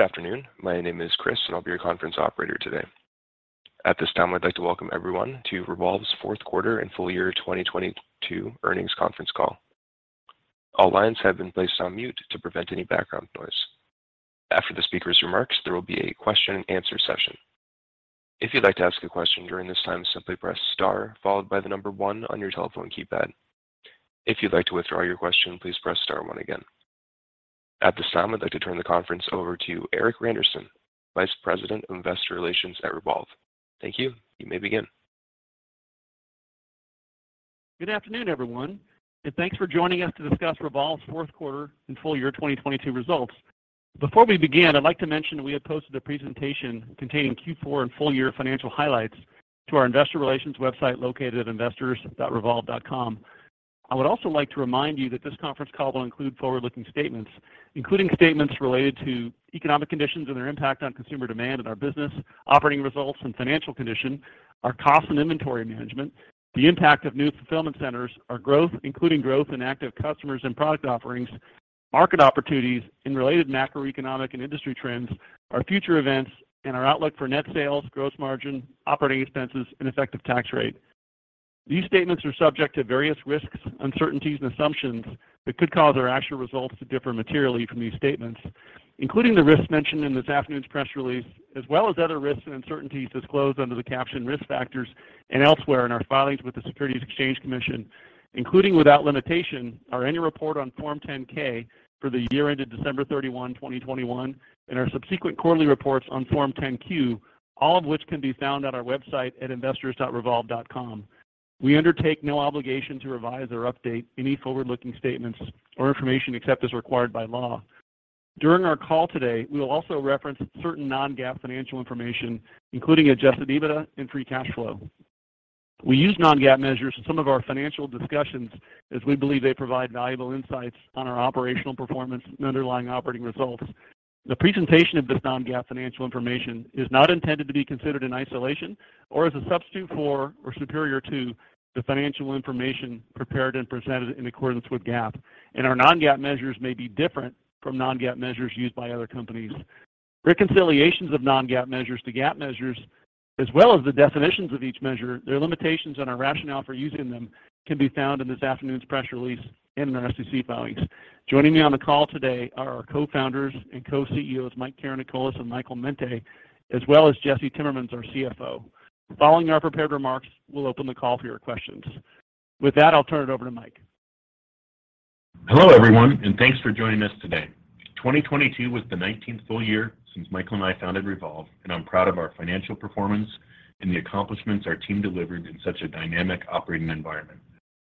Good afternoon. My name is Chris, and I'll be your conference operator today. At this time, I'd like to welcome to Revolve's Q4 and Full Year 2022 Earnings Conference Call. All lines have been placed on mute to prevent any background noise. After the speaker's remarks, there will be a question and answer session. If you'd like to ask a question during this time, simply press star followed by the number one on your telephone keypad. If you'd like to withdraw your question, please press star one again. At this time, I'd like to turn the conference over to Erik Randerson, Vice President of Investor Relations at Revolve. Thank you. You may begin. Good afternoon, everyone, and thanks for joining us to discuss Revolve's Q4 and full year 2022 results. Before we begin, I'd like to mention that we have posted a presentation containing Q4 and full year financial highlights to our investor relations website located at investors.revolve.com. I would also like to remind you that this conference call will include forward-looking statements, including statements related to economic conditions and their impact on consumer demand and our business, operating results and financial condition, our cost and inventory management, the impact of new fulfillment centers, our growth, including growth in active customers and product offerings, market opportunities and related macroeconomic and industry trends, our future events, and our outlook for net sales, gross margin, operating expenses, and effective tax rate. These statements are subject to various risks, uncertainties, and assumptions that could cause our actual results to differ materially from these statements, including the risks mentioned in this afternoon's press release, as well as other risks and uncertainties disclosed under the caption Risk Factors and elsewhere in our filings with the Securities and Exchange Commission, including, without limitation, our annual report on Form 10-K for the year ended December 31, 2021, and our subsequent quarterly reports on Form 10-Q, all of which can be found on our website at investors.revolve.com. We undertake no obligation to revise or update any forward-looking statements or information except as required by law. During our call today, we will also reference certain non-GAAP financial information, including Adjusted EBITDA and free cash flow. We use non-GAAP measures in some of our financial discussions as we believe they provide valuable insights on our operational performance and underlying operating results. The presentation of this non-GAAP financial information is not intended to be considered in isolation or as a substitute for, or superior to, the financial information prepared and presented in accordance with GAAP. Our non-GAAP measures may be different from non-GAAP measures used by other companies. Reconciliations of non-GAAP measures to GAAP measures, as well as the definitions of each measure, their limitations and our rationale for using them, can be found in this afternoon's press release and in our SEC filings. Joining me on the call today are our co-founders and co-CEOs, Mike Karanikolas and Michael Mente, as well as Jesse Timmermans, our CFO. Following our prepared remarks, we'll open the call for your questions. With that, I'll turn it over to Mike. Hello, everyone, and thanks for joining us today. 2022 was the 19th full year since Michael and I founded Revolve, and I'm proud of our financial performance and the accomplishments our team delivered in such a dynamic operating environment.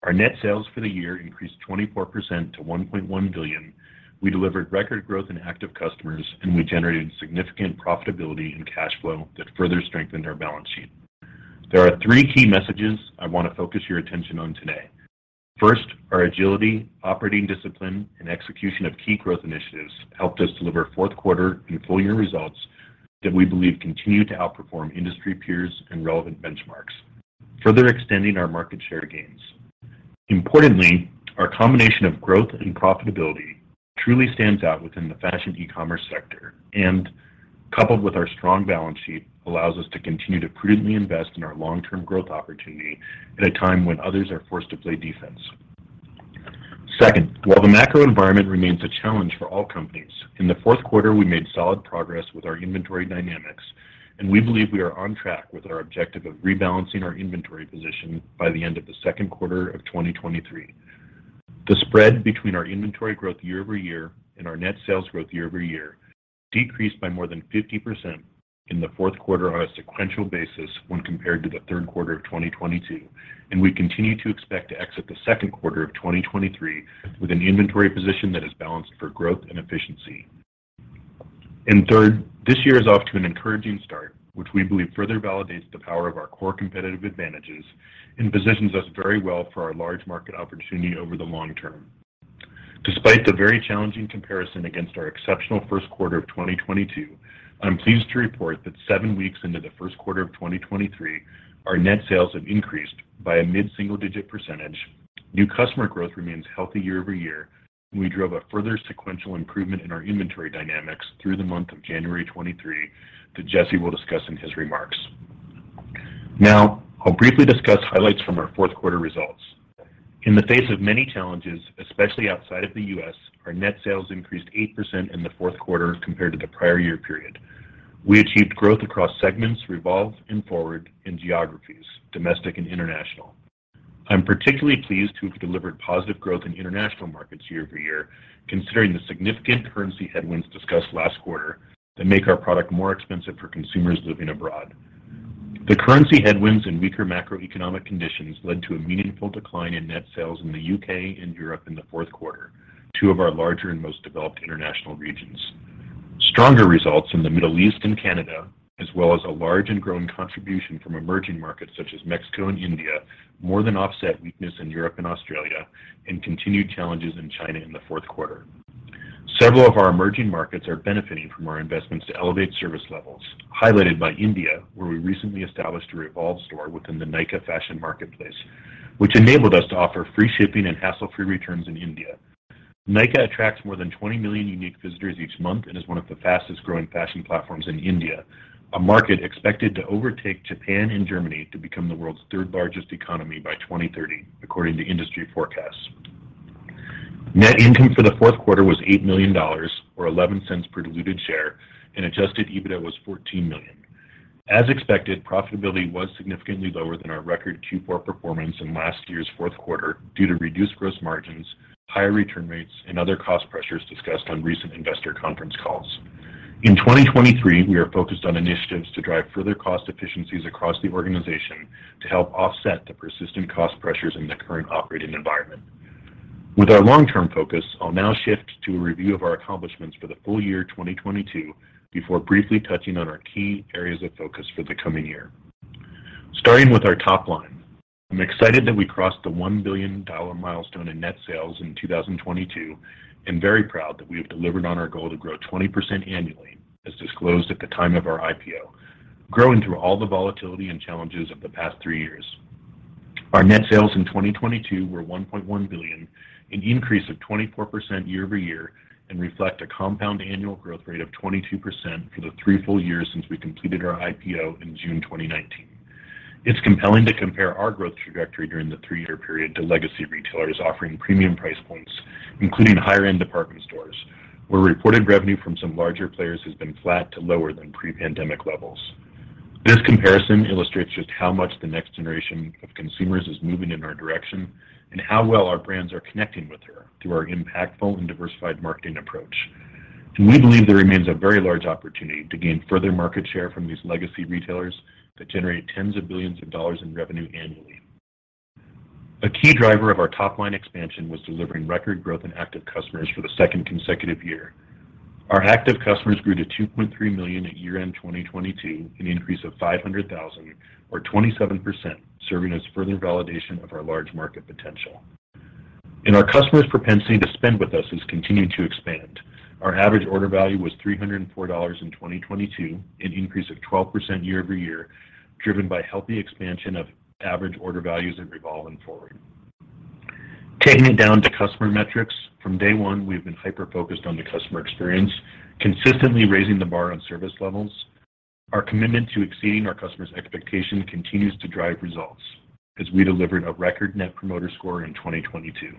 Our net sales for the year increased 24% to $1.1 billion. We delivered record growth in active customers, and we generated significant profitability and cash flow that further strengthened our balance sheet. There are three key messages I want to focus your attention on today. First, our agility, operating discipline, and execution of key growth initiatives helped us deliver Q4 and full year results that we believe continue to outperform industry peers and relevant benchmarks, further extending our market share gains. Importantly, our combination of growth and profitability truly stands out within the fashion e-commerce sector and, coupled with our strong balance sheet, allows us to continue to prudently invest in our long-term growth opportunity at a time when others are forced to play defense. Second, while the macro environment remains a challenge for all companies, in the Q4, we made solid progress with our inventory dynamics, and we believe we are on track with our objective of rebalancing our inventory position by the end of the Q2 of 2023. The spread between our inventory growth year-over-year and our net sales growth year-over-year decreased by more than 50% in the Q4 on a sequential basis when compared to the Q3 of 2022. We continue to expect to exit the Q2 of 2023 with an inventory position that is balanced for growth and efficiency. Third, this year is off to an encouraging start, which we believe further validates the power of our core competitive advantages and positions us very well for our large market opportunity over the long term. Despite the very challenging comparison against our exceptional Q1 of 2022, I'm pleased to report that seven weeks into the Q1 of 2023, our net sales have increased by a mid-single-digit %. New customer growth remains healthy year-over-year. We drove a further sequential improvement in our inventory dynamics through the month of January 23 that Jesse will discuss in his remarks. I'll briefly discuss highlights from our Q4 results. In the face of many challenges, especially outside of the U.S., our net sales increased 8% in the Q4 compared to the prior year period. We achieved growth across segments, Revolve and FWRD, and geographies, domestic and international. I'm particularly pleased to have delivered positive growth in international markets year-over-year, considering the significant currency headwinds discussed last quarter that make our product more expensive for consumers living abroad. The currency headwinds and weaker macroeconomic conditions led to a meaningful decline in net sales in the U.K. and Europe in the Q4, two of our larger and most developed international regions. Stronger results in the Middle East and Canada, as well as a large and growing contribution from emerging markets such as Mexico and India, more than offset weakness in Europe and Australia and continued challenges in China in the Q4. Several of our emerging markets are benefiting from our investments to elevate service levels, highlighted by India, where we recently established a Revolve store within the Nykaa fashion marketplace. Which enabled us to offer free shipping and hassle-free returns in India. Nykaa attracts more than 20 million unique visitors each month and is one of the fastest-growing fashion platforms in India, a market expected to overtake Japan and Germany to become the world's third-largest economy by 2030, according to industry forecasts. Net income for the Q4 was $8 million, or $0.11 per diluted share, and Adjusted EBITDA was $14 million. As expected, profitability was significantly lower than our record Q4 performance in last year's Q4 due to reduced gross margins, higher return rates, and other cost pressures discussed on recent investor conference calls. In 2023, we are focused on initiatives to drive further cost efficiencies across the organization to help offset the persistent cost pressures in the current operating environment. With our long-term focus, I'll now shift to a review of our accomplishments for the full year 2022, before briefly touching on our key areas of focus for the coming year. Starting with our top line, I'm excited that we crossed the $1 billion milestone in net sales in 2022, and very proud that we have delivered on our goal to grow 20% annually, as disclosed at the time of our IPO, growing through all the volatility and challenges of the past three years. Our net sales in 2022 were $1.1 billion, an increase of 24% year-over-year, and reflect a compound annual growth rate of 22% for the three full years since we completed our IPO in June 2019. It's compelling to compare our growth trajectory during the three year period to legacy retailers offering premium price points, including higher-end department stores, where reported revenue from some larger players has been flat to lower than pre-pandemic levels. This comparison illustrates just how much the next generation of consumers is moving in our direction and how well our brands are connecting with her through our impactful and diversified marketing approach. We believe there remains a very large opportunity to gain further market share from these legacy retailers that generate tens of billions of dollars in revenue annually. A key driver of our top-line expansion was delivering record growth in active customers for the second consecutive year. Our active customers grew to 2.3 million at year-end 2022, an increase of 500,000 or 27%, serving as further validation of our large market potential. Our customers' propensity to spend with us has continued to expand. Our average order value was $304 in 2022, an increase of 12% year-over-year, driven by healthy expansion of average order values at Revolve and FWRD. Taking it down to customer metrics, from day one we've been hyper-focused on the customer experience, consistently raising the bar on service levels. Our commitment to exceeding our customers' expectation continues to drive results as we delivered a record Net Promoter Score in 2022.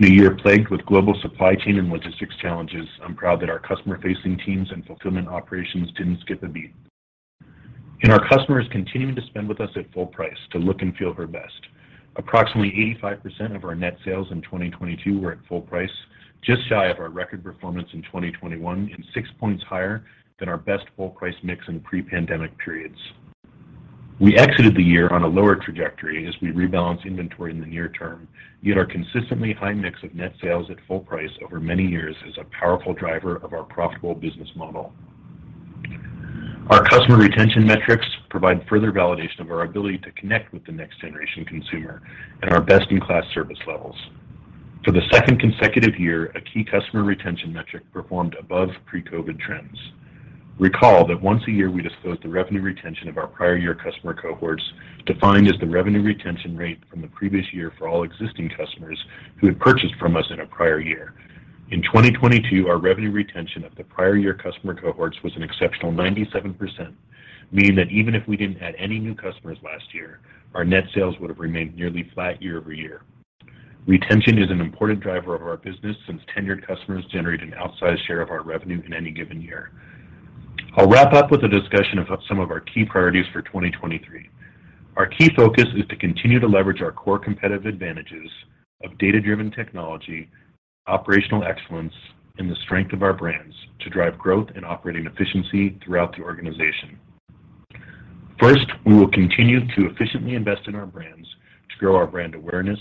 In a year plagued with global supply chain and logistics challenges, I'm proud that our customer-facing teams and fulfillment operations didn't skip a beat. Our customers continued to spend with us at full price to look and feel her best. Approximately 85% of our net sales in 2022 were at full price, just shy of our record performance in 2021 and six points higher than our best full price mix in pre-pandemic periods. We exited the year on a lower trajectory as we rebalance inventory in the near term, yet our consistently high mix of net sales at full price over many years is a powerful driver of our profitable business model. Our customer retention metrics provide further validation of our ability to connect with the next generation consumer and our best-in-class service levels. For the second consecutive year, a key customer retention metric performed above pre-COVID trends. Recall that once a year, we disclose the revenue retention of our prior year customer cohorts, defined as the revenue retention rate from the previous year for all existing customers who had purchased from us in a prior year. In 2022, our revenue retention of the prior year customer cohorts was an exceptional 97%, meaning that even if we didn't add any new customers last year, our net sales would have remained nearly flat year-over-year. Retention is an important driver of our business since tenured customers generate an outsized share of our revenue in any given year. I'll wrap up with a discussion of some of our key priorities for 2023. Our key focus is to continue to leverage our core competitive advantages of data-driven technology, operational excellence, and the strength of our brands to drive growth and operating efficiency throughout the organization. First, we will continue to efficiently invest in our brands to grow our brand awareness,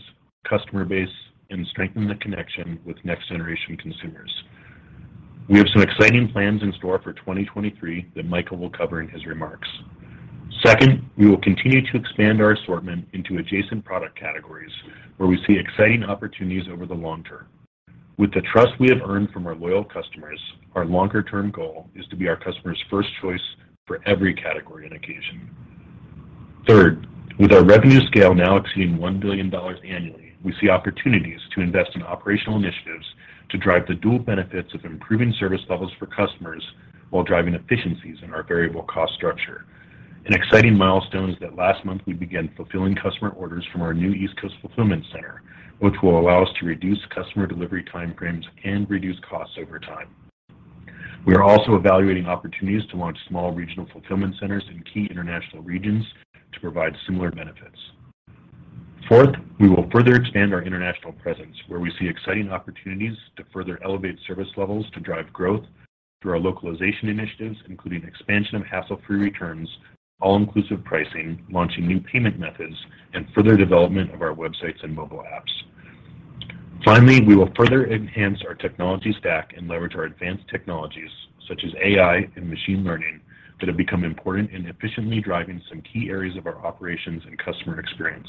customer base, and strengthen the connection with next generation consumers. We have some exciting plans in store for 2023 that Michael will cover in his remarks. Second, we will continue to expand our assortment into adjacent product categories where we see exciting opportunities over the long term. With the trust we have earned from our loyal customers, our longer-term goal is to be our customers' first choice for every category and occasion. Third, with our revenue scale now exceeding $1 billion annually, we see opportunities to invest in operational initiatives to drive the dual benefits of improving service levels for customers while driving efficiencies in our variable cost structure. An exciting milestone is that last month we began fulfilling customer orders from our new East Coast fulfillment center, which will allow us to reduce customer delivery time frames and reduce costs over time. We are also evaluating opportunities to launch small regional fulfillment centers in key international regions to provide similar benefits. Fourth, we will further expand our international presence, where we see exciting opportunities to further elevate service levels to drive growth through our localization initiatives, including expansion of hassle-free returns, all-inclusive pricing, launching new payment methods, and further development of our websites and mobile apps. Finally, we will further enhance our technology stack and leverage our advanced technologies, such as AI and machine learning, that have become important in efficiently driving some key areas of our operations and customer experience.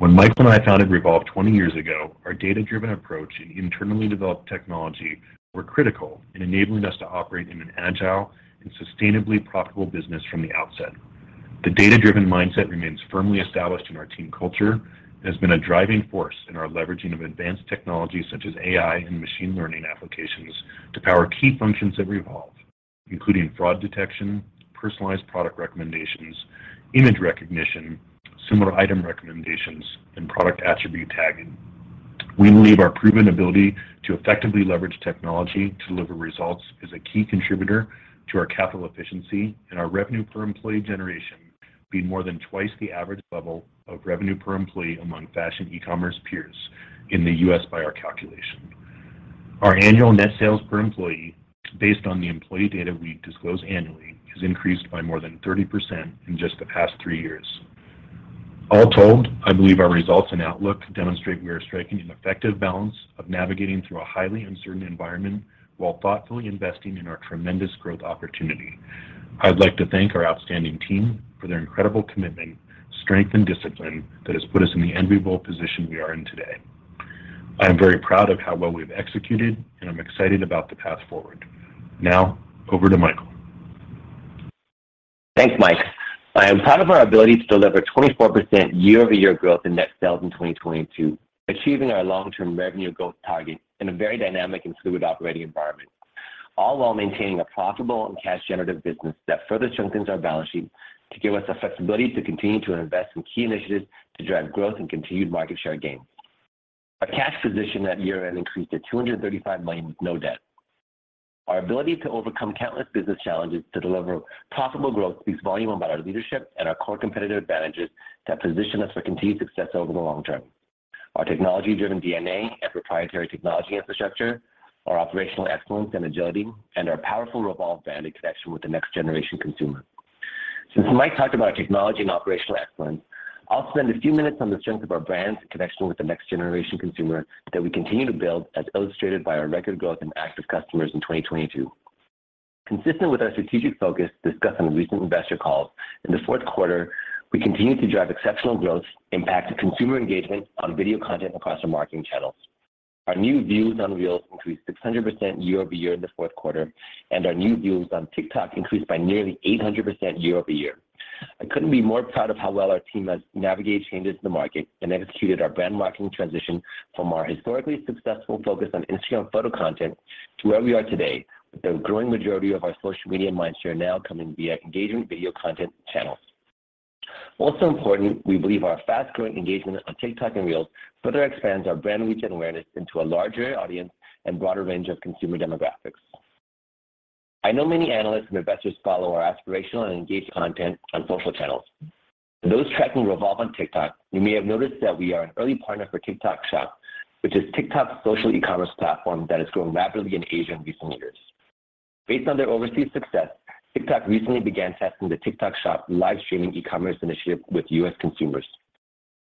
When Michael and I founded Revolve 20 years ago, our data-driven approach and internally developed technology were critical in enabling us to operate in an agile and sustainably profitable business from the outset. The data-driven mindset remains firmly established in our team culture and has been a driving force in our leveraging of advanced technologies such as AI and machine learning applications to power key functions at Revolve, including fraud detection, personalized product recommendations, image recognition, similar item recommendations, and product attribute tagging. We believe our proven ability to effectively leverage technology to deliver results is a key contributor to our capital efficiency and our revenue per employee generation being more than twice the average level of revenue per employee among fashion e-commerce peers in the U.S. by our calculation. Our annual net sales per employee, based on the employee data we disclose annually, has increased by more than 30% in just the past three years. All told, I believe our results and outlook demonstrate we are striking an effective balance of navigating through a highly uncertain environment while thoughtfully investing in our tremendous growth opportunity. I'd like to thank our outstanding team for their incredible commitment, strength, and discipline that has put us in the enviable position we are in today. I am very proud of how well we've executed, and I'm excited about the path forward. Now, over to Michael. Thanks, Mike. I am proud of our ability to deliver 24% year-over-year growth in net sales in 2022, achieving our long-term revenue growth target in a very dynamic and fluid operating environment, all while maintaining a profitable and cash-generative business that further strengthens our balance sheet to give us the flexibility to continue to invest in key initiatives to drive growth and continued market share gains. Our cash position at year-end increased to $235 million, with no debt. Our ability to overcome countless business challenges to deliver profitable growth speaks volume about our leadership and our core competitive advantages that position us for continued success over the long term. Our technology-driven DNA and proprietary technology infrastructure, our operational excellence and agility, and our powerful Revolve brand in connection with the next generation consumer. Since Mike talked about technology and operational excellence, I'll spend a few minutes on the strength of our brands in connection with the next generation consumer that we continue to build, as illustrated by our record growth in active customers in 2022. Consistent with our strategic focus discussed on recent investor calls, in the Q4, we continued to drive exceptional growth, impact, and consumer engagement on video content across our marketing channels. Our new views on Reels increased 600% year-over-year in the Q4, and our new views on TikTok increased by nearly 800% year-over-year. I couldn't be more proud of how well our team has navigated changes in the market and executed our brand marketing transition from our historically successful focus on Instagram photo content to where we are today, with the growing majority of our social media mindshare now coming via engagement video content channels. Also important, we believe our fast-growing engagement on TikTok and Reels further expands our brand reach and awareness into a larger audience and broader range of consumer demographics. I know many analysts and investors follow our aspirational and engaged content on social channels. For those tracking Revolve on TikTok, you may have noticed that we are an early partner for TikTok Shop, which is TikTok's social e-commerce platform that has grown rapidly in Asia in recent years. Based on their overseas success, TikTok recently began testing the TikTok Shop live streaming e-commerce initiative with U.S. consumers.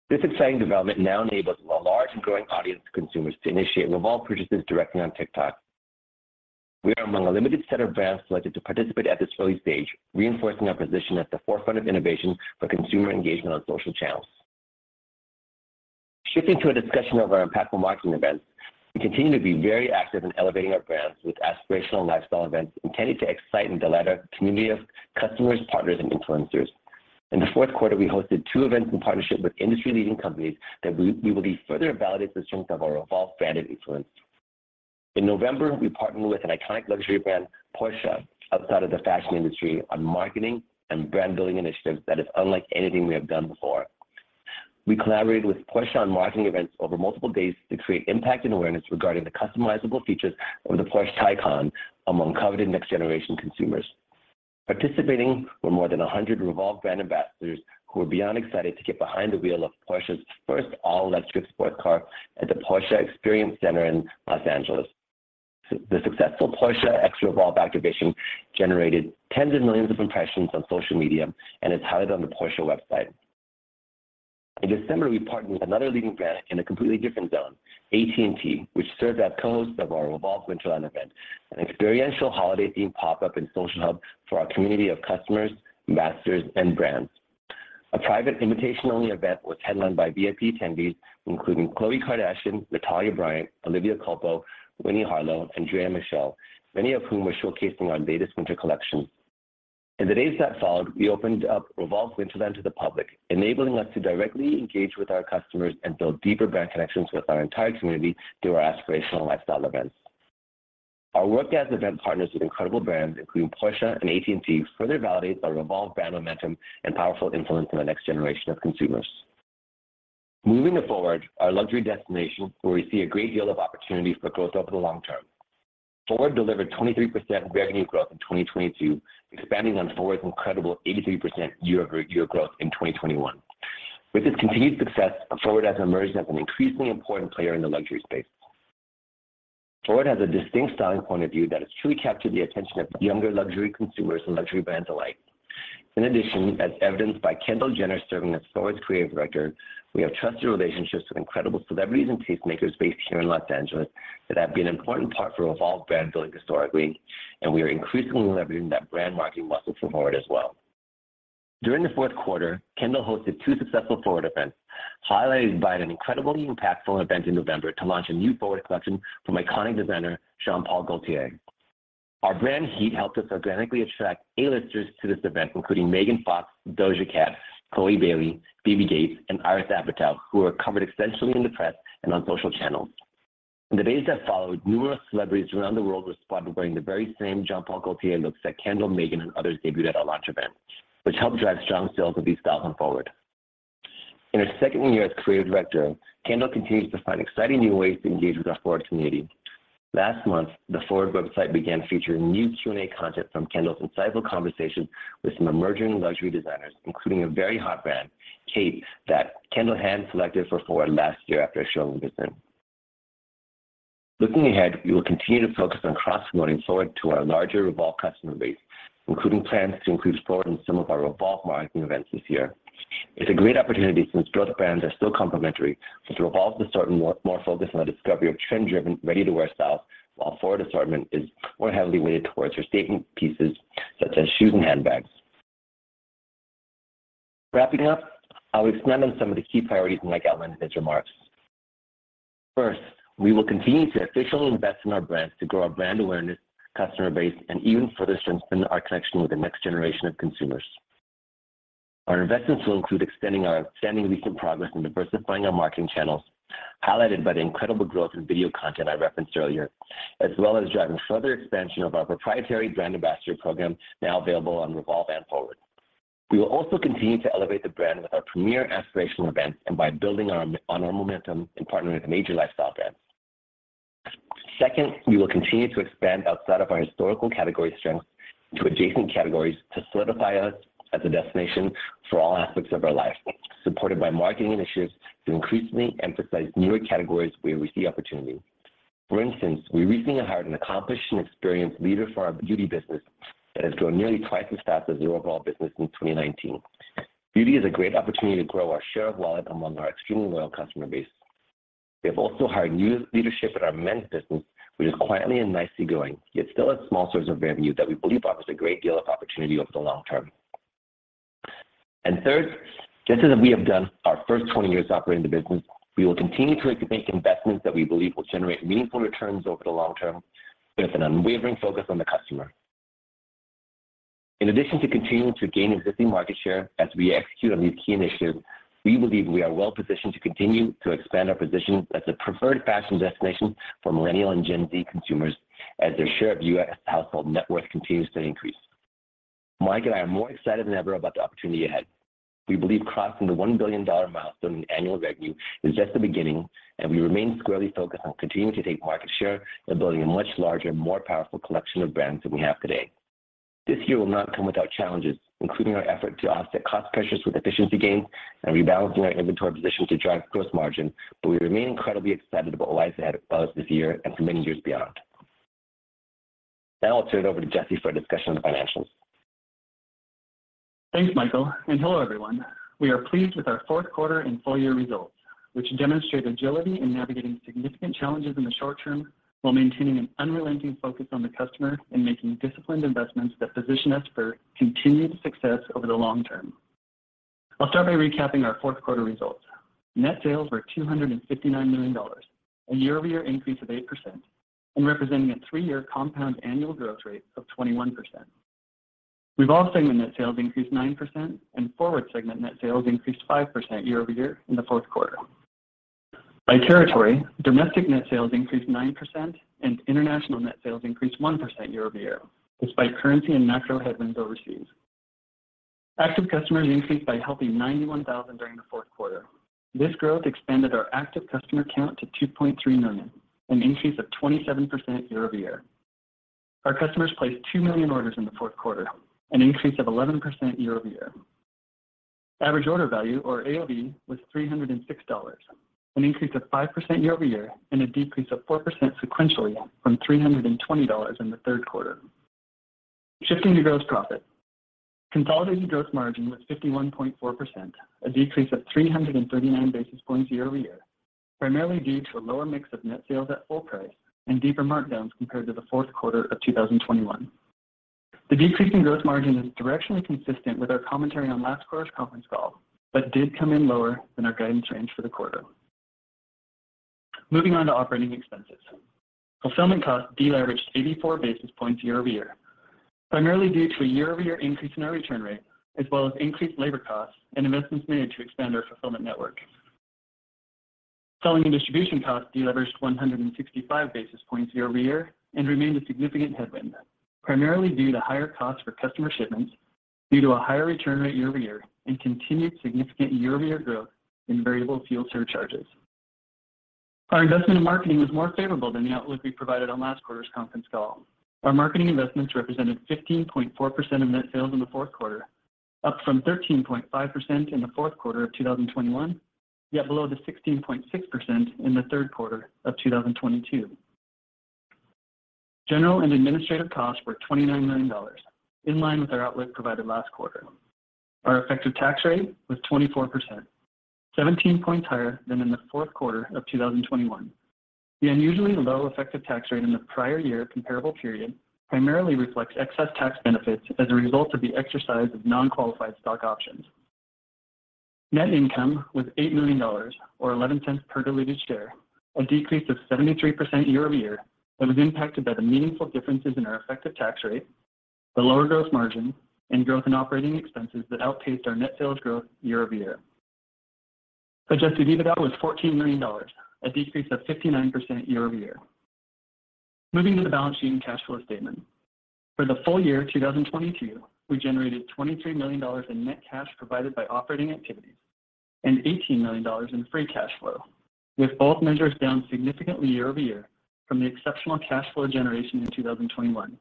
This exciting development now enables a large and growing audience of consumers to initiate Revolve purchases directly on TikTok. We are among a limited set of brands selected to participate at this early stage, reinforcing our position at the forefront of innovation for consumer engagement on social channels. Shifting to a discussion of our impactful marketing events, we continue to be very active in elevating our brands with aspirational and lifestyle events intended to excite and delight our community of customers, partners, and influencers. In the Q4, we hosted two events in partnership with industry-leading companies that we believe further validates the strength of our Revolve brand influence. In November, we partnered with an iconic luxury brand, Porsche, outside of the fashion industry, on marketing and brand building initiatives that is unlike anything we have done before. We collaborated with Porsche on marketing events over multiple days to create impact and awareness regarding the customizable features of the Porsche Taycan among coveted next generation consumers. Participating were more than 100 Revolve brand ambassadors who were beyond excited to get behind the wheel of Porsche's first all-electric sports car at the Porsche Experience Center in L.A. The successful Porsche x REVOLVE activation generated tens of millions of impressions on social media and is highlighted on the Porsche website. In December, we partnered with another leading brand in a completely different zone, AT&T, which served as cohost of our REVOLVE Winterland event, an experiential holiday-themed pop-up and social hub for our community of customers, ambassadors, and brands. A private invitation-only event was headlined by VIP attendees, including Khloé Kardashian, Natalia Bryant, Olivia Culpo, Winnie Harlow, and Draya Michele, many of whom were showcasing our latest winter collection. In the days that followed, we opened up REVOLVE Winterland to the public, enabling us to directly engage with our customers and build deeper brand connections with our entire community through our aspirational lifestyle events. Our work as event partners with incredible brands, including Porsche and AT&T, further validates our Revolve brand momentum and powerful influence on the next generation of consumers. Moving to FWRD, our luxury destination, where we see a great deal of opportunity for growth over the long term. FWRD delivered 23% revenue growth in 2022, expanding on FWRD's incredible 83% year-over-year growth in 2021. With this continued success, FWRD has emerged as an increasingly important player in the luxury space. FWRD has a distinct styling point of view that has truly captured the attention of younger luxury consumers and luxury brands alike. In addition, as evidenced by Kendall Jenner serving as FWRD's creative director, we have trusted relationships with incredible celebrities and tastemakers based here in Los Angeles that have been an important part for Revolve brand building historically, and we are increasingly leveraging that brand marketing muscle for FWRD as well. During the Q4, Kendall hosted two successful FWRD events, highlighted by an incredibly impactful event in November to launch a new FWRD collection from iconic designer Jean Paul Gaultier. Our brand heat helped us organically attract A-listers to this event, including Megan Fox, Doja Cat, Chloe Bailey, Phoebe Gates, and Iris Apatow, who were covered extensively in the press and on social channels. In the days that followed, numerous celebrities around the world were spotted wearing the very same Jean Paul Gaultier looks that Kendall, Megan, and others debuted at our launch event, which helped drive strong sales of these styles going forward. In her second year as creative director, Kendall continues to find exciting new ways to engage with our FWRD community. Last month, the FWRD website began featuring new Q&A content from Kendall's insightful conversations with some emerging luxury designers, including a very hot brand, KHAITE, that Kendall hand-selected for FWRD last year after a showroom visit. Looking ahead, we will continue to focus on cross-promoting FWRD to our larger Revolve customer base, including plans to include FWRD in some of our Revolve marketing events this year. It's a great opportunity since both brands are still complementary, since Revolve is starting more focused on the discovery of trend-driven, ready-to-wear styles, while FWRD assortment is more heavily weighted towards your statement pieces, such as shoes and handbags. Wrapping up, I'll expand on some of the key priorities Mike outlined in his remarks. First, we will continue to efficiently invest in our brands to grow our brand awareness, customer base, and even further strengthen our connection with the next generation of consumers. Our investments will include extending our outstanding recent progress in diversifying our marketing channels, highlighted by the incredible growth in video content I referenced earlier, as well as driving further expansion of our proprietary brand ambassador program now available on Revolve and FWRD. We will also continue to elevate the brand with our premier aspirational events and by building on our momentum in partnering with major lifestyle brands. Second, we will continue to expand outside of our historical category strength to adjacent categories to solidify us as a destination for all aspects of our life, supported by marketing initiatives to increasingly emphasize newer categories where we see opportunity. For instance, we recently hired an accomplished and experienced leader for our beauty business that has grown nearly twice as fast as the overall business in 2019. Beauty is a great opportunity to grow our share of wallet among our extremely loyal customer base. We have also hired new leadership in our men's business, which is quietly and nicely growing, yet still a small source of revenue that we believe offers a great deal of opportunity over the long term. Third, just as we have done our first 20 years operating the business, we will continue to make investments that we believe will generate meaningful returns over the long term with an unwavering focus on the customer. In addition to continuing to gain existing market share as we execute on these key initiatives, we believe we are well positioned to continue to expand our position as a preferred fashion destination for Millennial and Gen Z consumers as their share of U.S. household net worth continues to increase. Mike and I are more excited than ever about the opportunity ahead. We believe crossing the $1 billion milestone in annual revenue is just the beginning, and we remain squarely focused on continuing to take market share and building a much larger, more powerful collection of brands than we have today. This year will not come without challenges, including our effort to offset cost pressures with efficiency gains and rebalancing our inventory position to drive gross margin. We remain incredibly excited about what lies ahead of us this year and for many years beyond. I'll turn it over to Jesse for a discussion on the financials. Thanks, Michael Mente, and hello, everyone. We are pleased with our Q4 and full year results, which demonstrate agility in navigating significant challenges in the short term while maintaining an unrelenting focus on the customer and making disciplined investments that position us for continued success over the long term. I'll start by recapping our Q4 results. Net sales were $259 million, a year-over-year increase of 8% and representing a three year compound annual growth rate of 21%. Revolve segment net sales increased 9% and FWRD segment net sales increased 5% year-over-year in the Q4. By territory, domestic net sales increased 9% and international net sales increased 1% year-over-year, despite currency and macro headwinds overseas. Active customers increased by a healthy 91,000 during the Q4. This growth expanded our active customer count to 2.3 million, an increase of 27% year-over-year. Our customers placed 2 million orders in the Q4, an increase of 11% year-over-year. Average order value or AOV was $306, an increase of 5% year-over-year and a decrease of 4% sequentially from $320 in the Q3. Shifting to gross profit. Consolidated gross margin was 51.4%, a decrease of 339 basis points year-over-year, primarily due to a lower mix of net sales at full price and deeper markdowns compared to the Q4 of 2021. The decrease in gross margin is directionally consistent with our commentary on last quarter's conference call, but did come in lower than our guidance range for the quarter. Moving on to operating expenses. Fulfillment costs deleveraged 84 basis points year-over-year, primarily due to a year-over-year increase in our return rate, as well as increased labor costs and investments made to expand our fulfillment network. Selling and distribution costs deleveraged 165 basis points year-over-year and remained a significant headwind, primarily due to higher costs for customer shipments due to a higher return rate year-over-year and continued significant year-over-year growth in variable fuel surcharges. Our investment in marketing was more favorable than the outlook we provided on last quarter's conference call. Our marketing investments represented 15.4% of net sales in the Q4, up from 13.5% in the Q4 of 2021, yet below the 16.6% in the Q3 of 2022. General and administrative costs were $29 million, in line with our outlook provided last quarter. Our effective tax rate was 24%, 17 points higher than in the Q4 of 2021. The unusually low effective tax rate in the prior year comparable period primarily reflects excess tax benefits as a result of the exercise of non-qualified stock options. Net income was $8 million or $0.11 per diluted share, a decrease of 73% year-over-year that was impacted by the meaningful differences in our effective tax rate, the lower gross margin, and growth in operating expenses that outpaced our net sales growth year-over-year. Adjusted EBITDA was $14 million, a decrease of 59% year-over-year. Moving to the balance sheet and cash flow statement. For the full year 2022, we generated $23 million in net cash provided by operating activities and $18 million in free cash flow, with both measures down significantly year-over-year from the exceptional cash flow generation in 2021.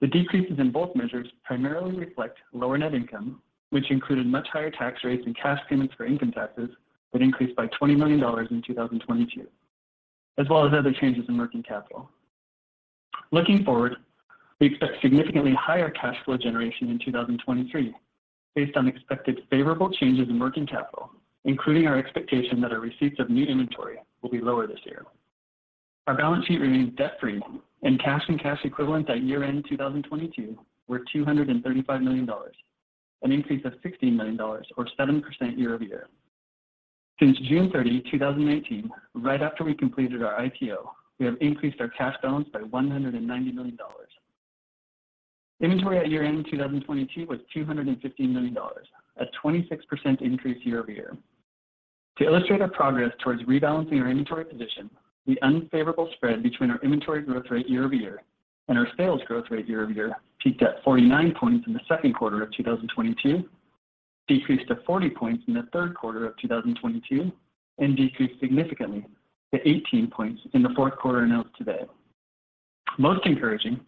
The decreases in both measures primarily reflect lower net income, which included much higher tax rates and cash payments for income taxes that increased by $20 million in 2022, as well as other changes in working capital. Looking forward, we expect significantly higher cash flow generation in 2023 based on expected favorable changes in working capital, including our expectation that our receipts of new inventory will be lower this year. Our balance sheet remains debt-free, and cash and cash equivalents at year-end 2022 were $235 million, an increase of $60 million or 7% year-over-year. Since June 30, 2018, right after we completed our IPO, we have increased our cash balance by $190 million. Inventory at year-end 2022 was $215 million, a 26% increase year-over-year. To illustrate our progress towards rebalancing our inventory position, the unfavorable spread between our inventory growth rate year-over-year and our sales growth rate year-over-year peaked at 49 points in the Q2 of 2022, decreased to 40 points in the Q3 of 2022, and decreased significantly to 18 points in the Q4 announced today. Most encouraging,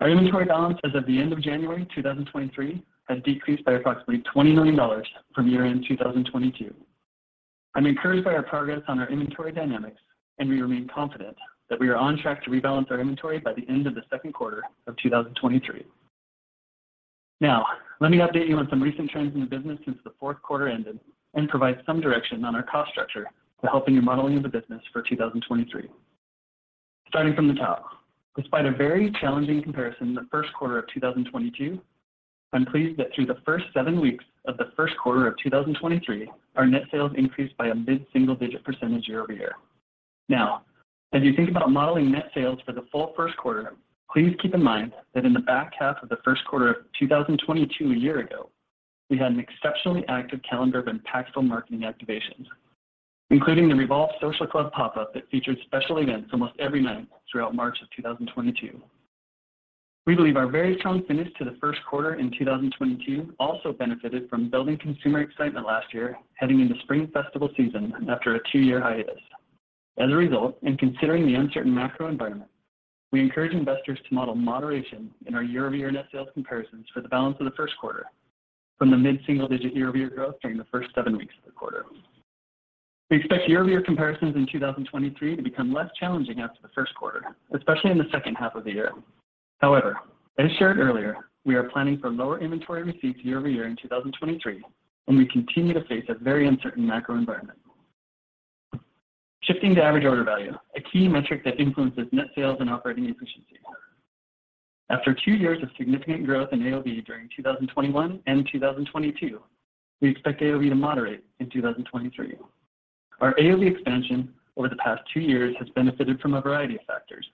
our inventory balance as of the end of January 2023 has decreased by approximately $20 million from year-end 2022. I'm encouraged by our progress on our inventory dynamics, and we remain confident that we are on track to rebalance our inventory by the end of the Q2 of 2023. Let me update you on some recent trends in the business since the Q4 ended and provide some direction on our cost structure to helping your modeling of the business for 2023. Starting from the top. Despite a very challenging comparison in the Q1 of 2022, I'm pleased that through the first seven weeks of the Q1 of 2023, our net sales increased by a mid-single-digit % year-over-year. As you think about modeling net sales for the full Q1, please keep in mind that in the back half of the Q1 of 2022 year ago, we had an exceptionally active calendar of impactful marketing activations, including the REVOLVE Social Club pop-up that featured special events almost every night throughout March of 2022. We believe our very strong finish to the Q1 in 2022 also benefited from building consumer excitement last year, heading into spring festival season after a two year hiatus. Considering the uncertain macro environment, we encourage investors to model moderation in our year-over-year net sales comparisons for the balance of the Q1 from the mid-single digit year-over-year growth during the first seven weeks of the quarter. We expect year-over-year comparisons in 2023 to become less challenging after the Q1, especially in the second half of the year. As shared earlier, we are planning for lower inventory receipts year-over-year in 2023, and we continue to face a very uncertain macro environment. Shifting to average order value, a key metric that influences net sales and operating efficiency. After two years of significant growth in AOV during 2021 and 2022, we expect AOV to moderate in 2023. Our AOV expansion over the past two years has benefited from a variety of factors,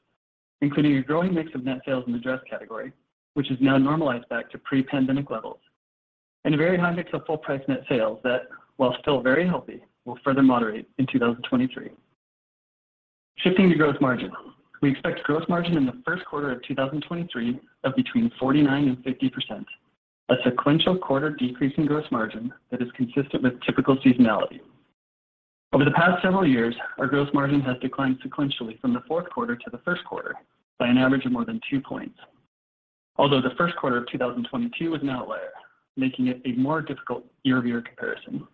including a growing mix of net sales in the dress category, which has now normalized back to pre-pandemic levels, and a very high mix of full price net sales that, while still very healthy, will further moderate in 2023. Shifting to gross margin. We expect gross margin in the Q1 of 2023 of between 49% and 50%, a sequential quarter decrease in gross margin that is consistent with typical seasonality. Over the past several years, our gross margin has declined sequentially from the Q4 to the Q1 by an average of more than 2 points. The Q1 of 2022 is an outlier, making it a more difficult year-over-year comparison,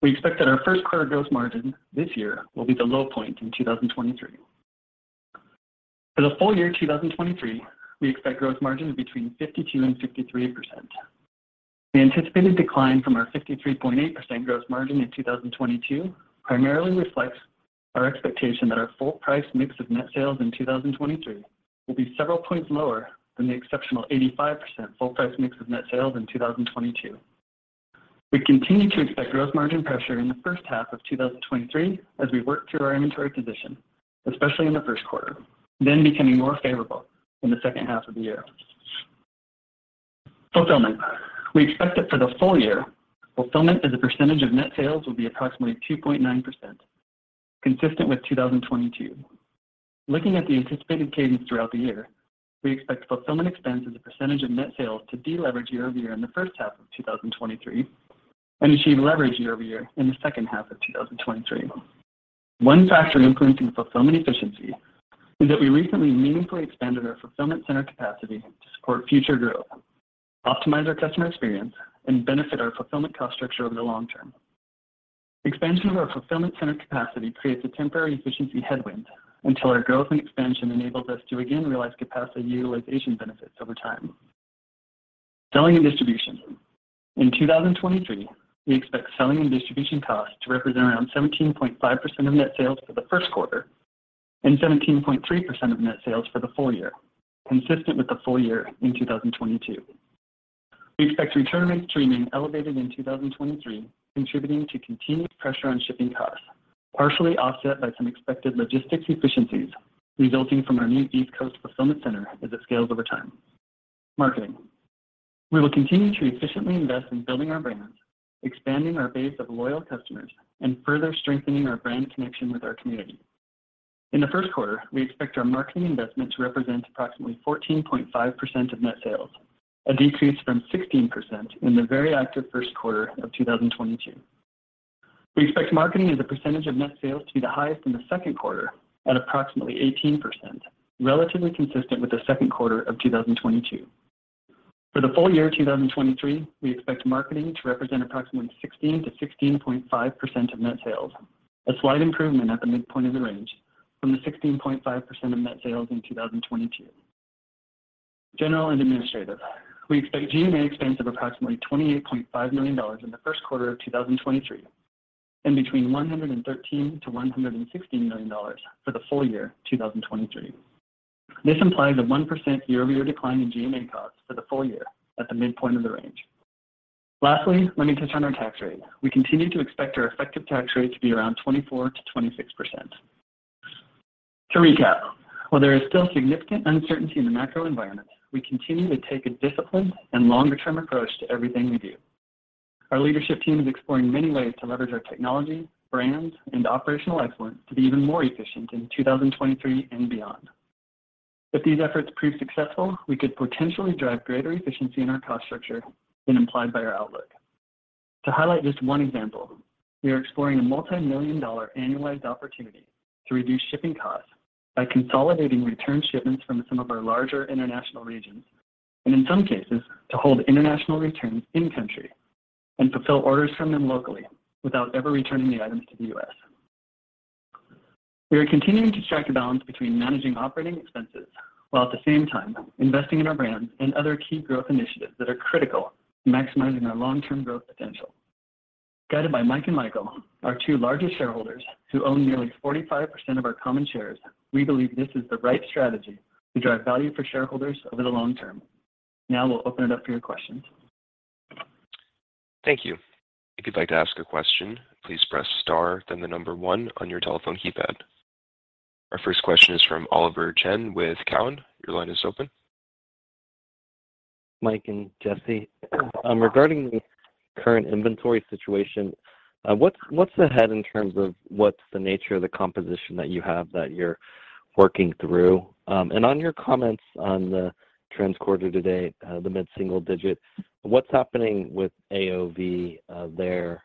we expect that our Q1 gross margin this year will be the low point in 2023. For the full year 2023, we expect growth margin of between 52% and 53%. The anticipated decline from our 53.8% gross margin in 2022 primarily reflects our expectation that our full price mix of net sales in 2023 will be several points lower than the exceptional 85% full price mix of net sales in 2022. We continue to expect gross margin pressure in the first half of 2023 as we work through our inventory position, especially in the Q1, then becoming more favorable in the second half of the year. Fulfillment. We expect that for the full year, fulfillment as a percentage of net sales will be approximately 2.9%, consistent with 2022. Looking at the anticipated cadence throughout the year, we expect fulfillment expense as a percentage of net sales to deleverage year-over-year in the first half of 2023 and achieve leverage year-over-year in the second half of 2023. One factor influencing fulfillment efficiency is that we recently meaningfully expanded our fulfillment center capacity to support future growth, optimize our customer experience, and benefit our fulfillment cost structure over the long term. Expansion of our fulfillment center capacity creates a temporary efficiency headwind until our growth and expansion enables us to again realize capacity utilization benefits over time. Selling and distribution. In 2023, we expect selling and distribution costs to represent around 17.5% of net sales for the Q1. 17.3% of net sales for the full year, consistent with the full year in 2022. We expect return on streaming elevated in 2023, contributing to continued pressure on shipping costs, partially offset by some expected logistics efficiencies resulting from our new East Coast fulfillment center as it scales over time. Marketing. We will continue to efficiently invest in building our brands, expanding our base of loyal customers, and further strengthening our brand connection with our community. In the Q1, we expect our marketing investment to represent approximately 14.5% of net sales, a decrease from 16% in the very active Q1 of 2022. We expect marketing as a percentage of net sales to be the highest in the Q2 at approximately 18%, relatively consistent with the Q2 of 2022. For the full year 2023, we expect marketing to represent approximately 16%-16.5% of net sales, a slight improvement at the midpoint of the range from the 16.5% of net sales in 2022. General and administrative. We expect G&A expense of approximately $28.5 million in the Q1 of 2023, and between $113 million-$116 million for the full year 2023. This implies a 1% year-over-year decline in G&A costs for the full year at the midpoint of the range. Lastly, let me touch on our tax rate. We continue to expect our effective tax rate to be around 24%-26%. To recap, while there is still significant uncertainty in the macro environment, we continue to take a disciplined and longer-term approach to everything we do. Our leadership team is exploring many ways to leverage our technology, brands, and operational excellence to be even more efficient in 2023 and beyond. If these efforts prove successful, we could potentially drive greater efficiency in our cost structure than implied by our outlook. To highlight just one example, we are exploring a multimillion-dollar annualized opportunity to reduce shipping costs by consolidating return shipments from some of our larger international regions, and in some cases, to hold international returns in country and fulfill orders from them locally without ever returning the items to the US. We are continuing to strike a balance between managing operating expenses while at the same time investing in our brands and other key growth initiatives that are critical to maximizing our long-term growth potential. Guided by Mike and Michael, our two largest shareholders, who own nearly 45% of our common shares, we believe this is the right strategy to drive value for shareholders over the long term. We'll open it up for your questions. Thank you. If you'd like to ask a question, please press star then the number one on your telephone keypad. Our first question is from Oliver Chen with Cowen. Your line is open. Mike and Jesse, regarding the current inventory situation, what's ahead in terms of what's the nature of the composition that you have that you're working through? And on your comments on the trends quarter-to-date, the mid-single digit, what's happening with AOV there,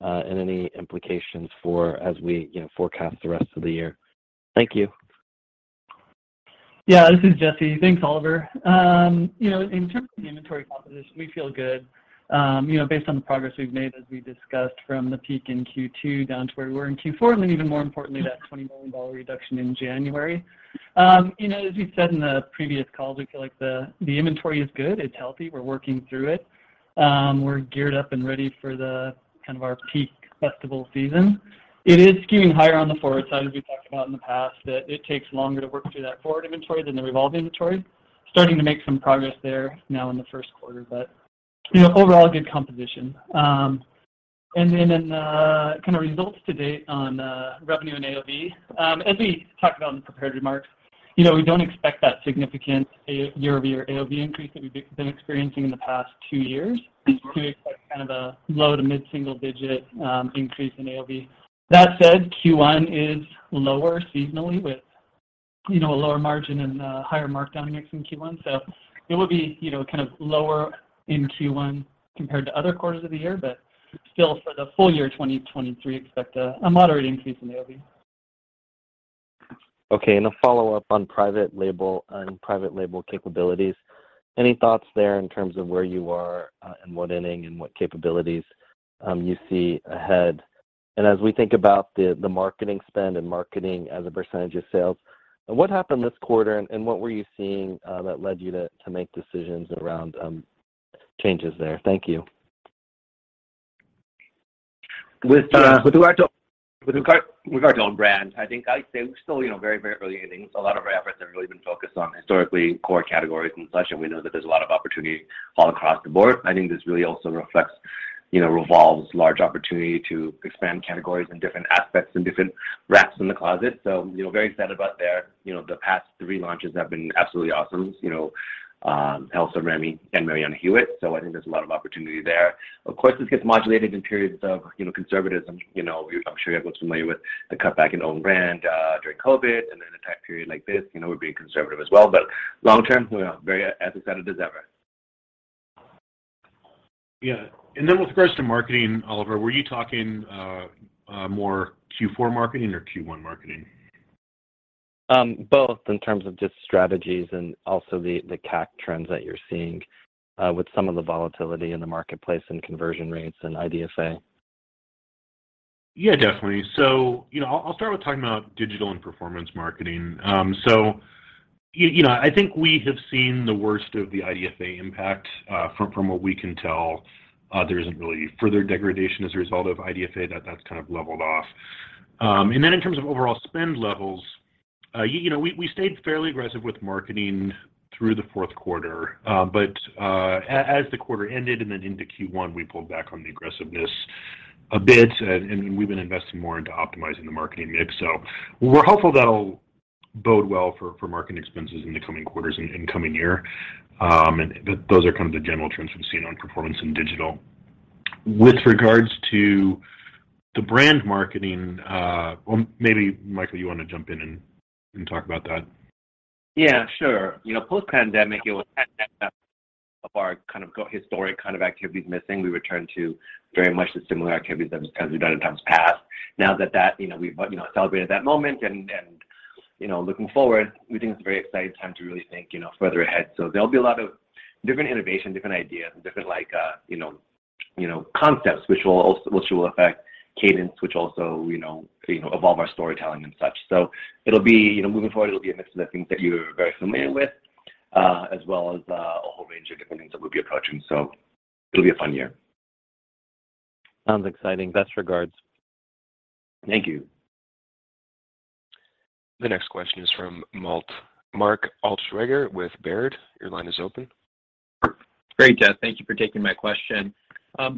and any implications for as we, you know, forecast the rest of the year? Thank you. Yeah, this is Jesse. Thanks, Oliver. You know, in terms of the inventory composition, we feel good, you know, based on the progress we've made, as we discussed from the peak in Q2 down to where we were in Q4, and then even more importantly, that $20 million reduction in January. You know, as we've said in the previous calls, we feel like the inventory is good, it's healthy, we're working through it. We're geared up and ready for the kind of our peak festival season. It is skewing higher on the FWRD side, as we talked about in the past, that it takes longer to work through that FWRD inventory than the Revolve inventory. Starting to make some progress there now in the Q1. You know, overall, good composition. In the kind of results to date on revenue and AOV, as we talked about in the prepared remarks, you know, we don't expect that significant year-over-year AOV increase that we've been experiencing in the past two years. We do expect kind of a low to mid-single-digit increase in AOV. That said, Q1 is lower seasonally with, you know, a lower margin and higher markdown mix in Q1. It will be, you know, kind of lower in Q1 compared to other quarters of the year. Still, for the full year 2023, expect a moderate increase in AOV. A follow-up on private label and private label capabilities. Any thoughts there in terms of where you are, and what inning and what capabilities, you see ahead? As we think about the marketing spend and marketing as a percentage of sales, what happened this quarter and what were you seeing, that led you to make decisions around changes there? Thank you. With regard to own brands, I think I'd say we're still, you know, very, very early innings. A lot of our efforts have really been focused on historically core categories and such, and we know that there's a lot of opportunity all across the board. I think this really also reflects, you know, Revolve's large opportunity to expand categories in different aspects and different racks in the closet. You know, very excited about their. You know, the past three launches have been absolutely awesome. You know, Elsa, Remi, and Marianna Hewitt. I think there's a lot of opportunity there. Of course, this gets modulated in periods of, you know, conservatism. You know, I'm sure everyone's familiar with the cut back in own brand, during COVID, and then a tight period like this, you know, we're being conservative as well. Long term, you know, very as excited as ever. Yeah. Then with regards to marketing, Oliver Chen, were you talking more Q4 marketing or Q1 marketing? Both in terms of just strategies and also the CAC trends that you're seeing, with some of the volatility in the marketplace and conversion rates and IDFA. Yeah, definitely. You know, I'll start with talking about digital and performance marketing. You know, I think we have seen the worst of the IDFA impact from what we can tell. There isn't really further degradation as a result of IDFA. That's kind of leveled off. In terms of overall spend levels, you know, we stayed fairly aggressive with marketing through the Q4. As the quarter ended and then into Q1, we pulled back on the aggressiveness a bit and we've been investing more into optimizing the marketing mix. We're hopeful that'll bode well for marketing expenses in the coming quarters and coming year. Those are kind of the general trends we've seen on performance in digital. With regards to the brand marketing, or maybe Michael, you wanna jump in and talk about that? Yeah, sure. You know, post-pandemic, it was of our kind of go historic kind of activities missing. We returned to very much the similar activities that we've kind of done in times past. Now that, you know, we've, you know, celebrated that moment and, you know, looking forward, we think it's a very exciting time to really think, you know, further ahead. There'll be a lot of different innovation, different ideas, and different like, you know, concepts which will also affect cadence, which also, you know, evolve our storytelling and such. It'll be, you know, moving forward, it'll be a mix of the things that you are very familiar with, as well as a whole range of different things that we'll be approaching. It'll be a fun year. Sounds exciting. Best regards. Thank you. The next question is from Mark Altschwager with Baird. Your line is open. Great, Thank you for taking my question.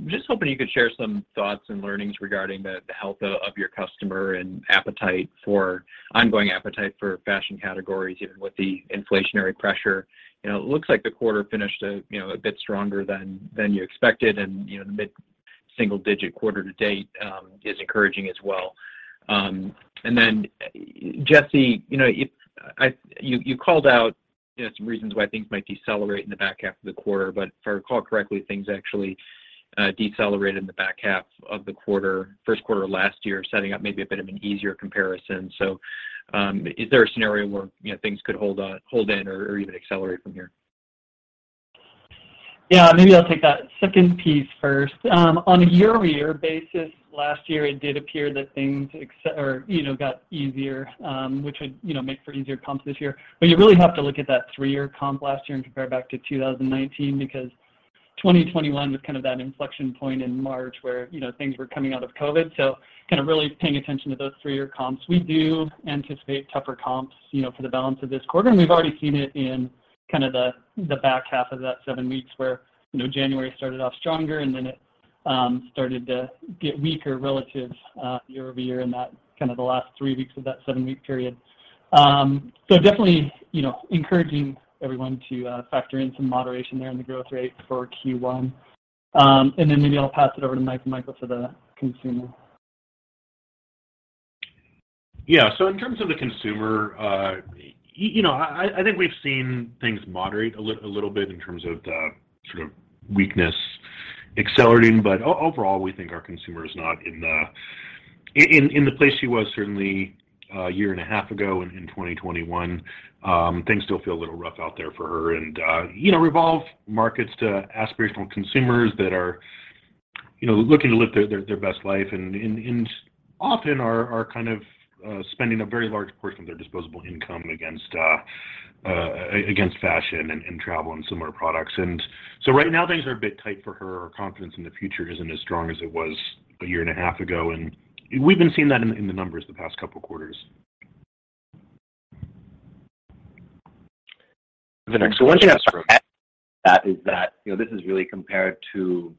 Just hoping you could share some thoughts and learnings regarding the health of your customer and appetite for ongoing appetite for fashion categories, even with the inflationary pressure. You know, it looks like the quarter finished a bit stronger than you expected and, you know, the mid-single-digit quarter-to-date is encouraging as well. Jesse, you know, you called out, you know, some reasons why things might decelerate in the back half of the quarter, but if I recall correctly, things actually decelerated in the back half of the quarter, Q1 of last year, setting up maybe a bit of an easier comparison. Is there a scenario where, you know, things could hold in or even accelerate from here? Yeah. Maybe I'll take that second piece first. On a year-over-year basis, last year it did appear that things or, you know, got easier, which would, you know, make for easier comps this year. You really have to look at that three-year comp last year and compare back to 2019 because 2021 was kind of that inflection point in March where, you know, things were coming out of COVID. Kind of really paying attention to those three-year comps. We do anticipate tougher comps, you know, for the balance of this quarter, and we've already seen it in kind of the back half of that seven weeks where, you know, January started off stronger and then it started to get weaker relative year-over-year in that kind of the last three weeks of that seven-week period. Definitely, you know, encouraging everyone to factor in some moderation there in the growth rate for Q1. Maybe I'll pass it over to Michael for the consumer. Yeah. In terms of the consumer, you know, I think we've seen things moderate a little bit in terms of the sort of weakness accelerating. Overall, we think our consumer is not in the place she was certainly a year and a half ago in 2021. Things still feel a little rough out there for her and, you know, Revolve markets to aspirational consumers that are, you know, looking to live their best life and often are kind of spending a very large portion of their disposable income against fashion and travel and similar products. Right now things are a bit tight for her. Her confidence in the future isn't as strong as it was a year and a half ago, and we've been seeing that in the, in the numbers the past couple quarters. The next- One thing I'd that is that, you know, this is really compared to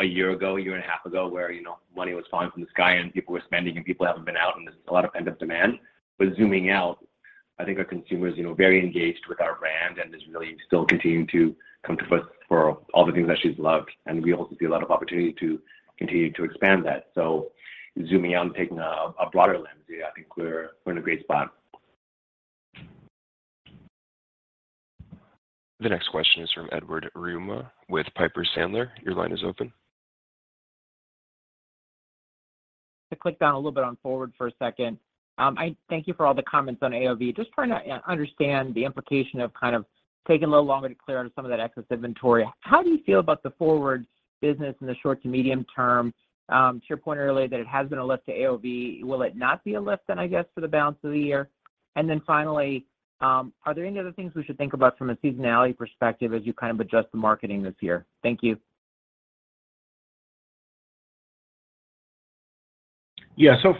a year ago, a year and a half ago, where, you know, money was falling from the sky and people were spending and people haven't been out and there's a lot of pent-up demand. Zooming out, I think our consumer's, you know, very engaged with our brand and is really still continuing to come to us for all the things that she's loved, and we also see a lot of opportunity to continue to expand that. Zooming out and taking a broader lens view, I think we're in a great spot. The next question is from Edward Yruma with Piper Sandler. Your line is open. To click down a little bit on FWRD for a second, I thank you for all the comments on AOV. Just trying to understand the implication of kind of taking a little longer to clear out some of that excess inventory. How do you feel about the FWRD business in the short to medium term? To your point earlier that it has been a lift to AOV, will it not be a lift then, I guess, for the balance of the year? Finally, are there any other things we should think about from a seasonality perspective as you kind of adjust the marketing this year? Thank you.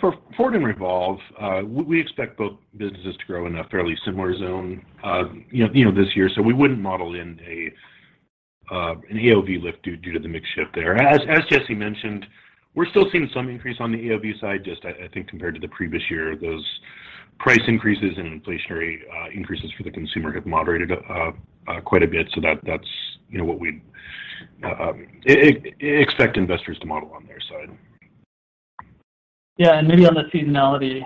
For FWRD and Revolve, we expect both businesses to grow in a fairly similar zone, you know, this year. We wouldn't model in an AOV lift due to the mix shift there. As Jesse mentioned, we're still seeing some increase on the AOV side, just I think compared to the previous year. Those price increases and inflationary increases for the consumer have moderated quite a bit, so that's, you know, what we'd expect investors to model on their side. Yeah. Maybe on the seasonality,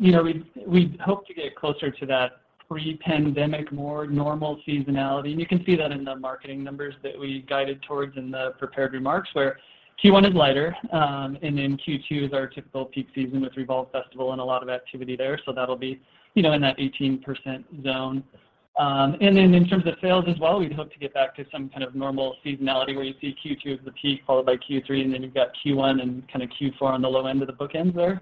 you know, we hope to get closer to that pre-pandemic, more normal seasonality, and you can see that in the marketing numbers that we guided towards in the prepared remarks, where Q1 is lighter, and then Q2 is our typical peak season with REVOLVE Festival and a lot of activity there. That'll be, you know, in that 18% zone. Then in terms of sales as well, we'd hope to get back to some kind of normal seasonality where you see Q2 as the peak followed by Q3, and then you've got Q1 and kinda Q4 on the low end of the bookends there.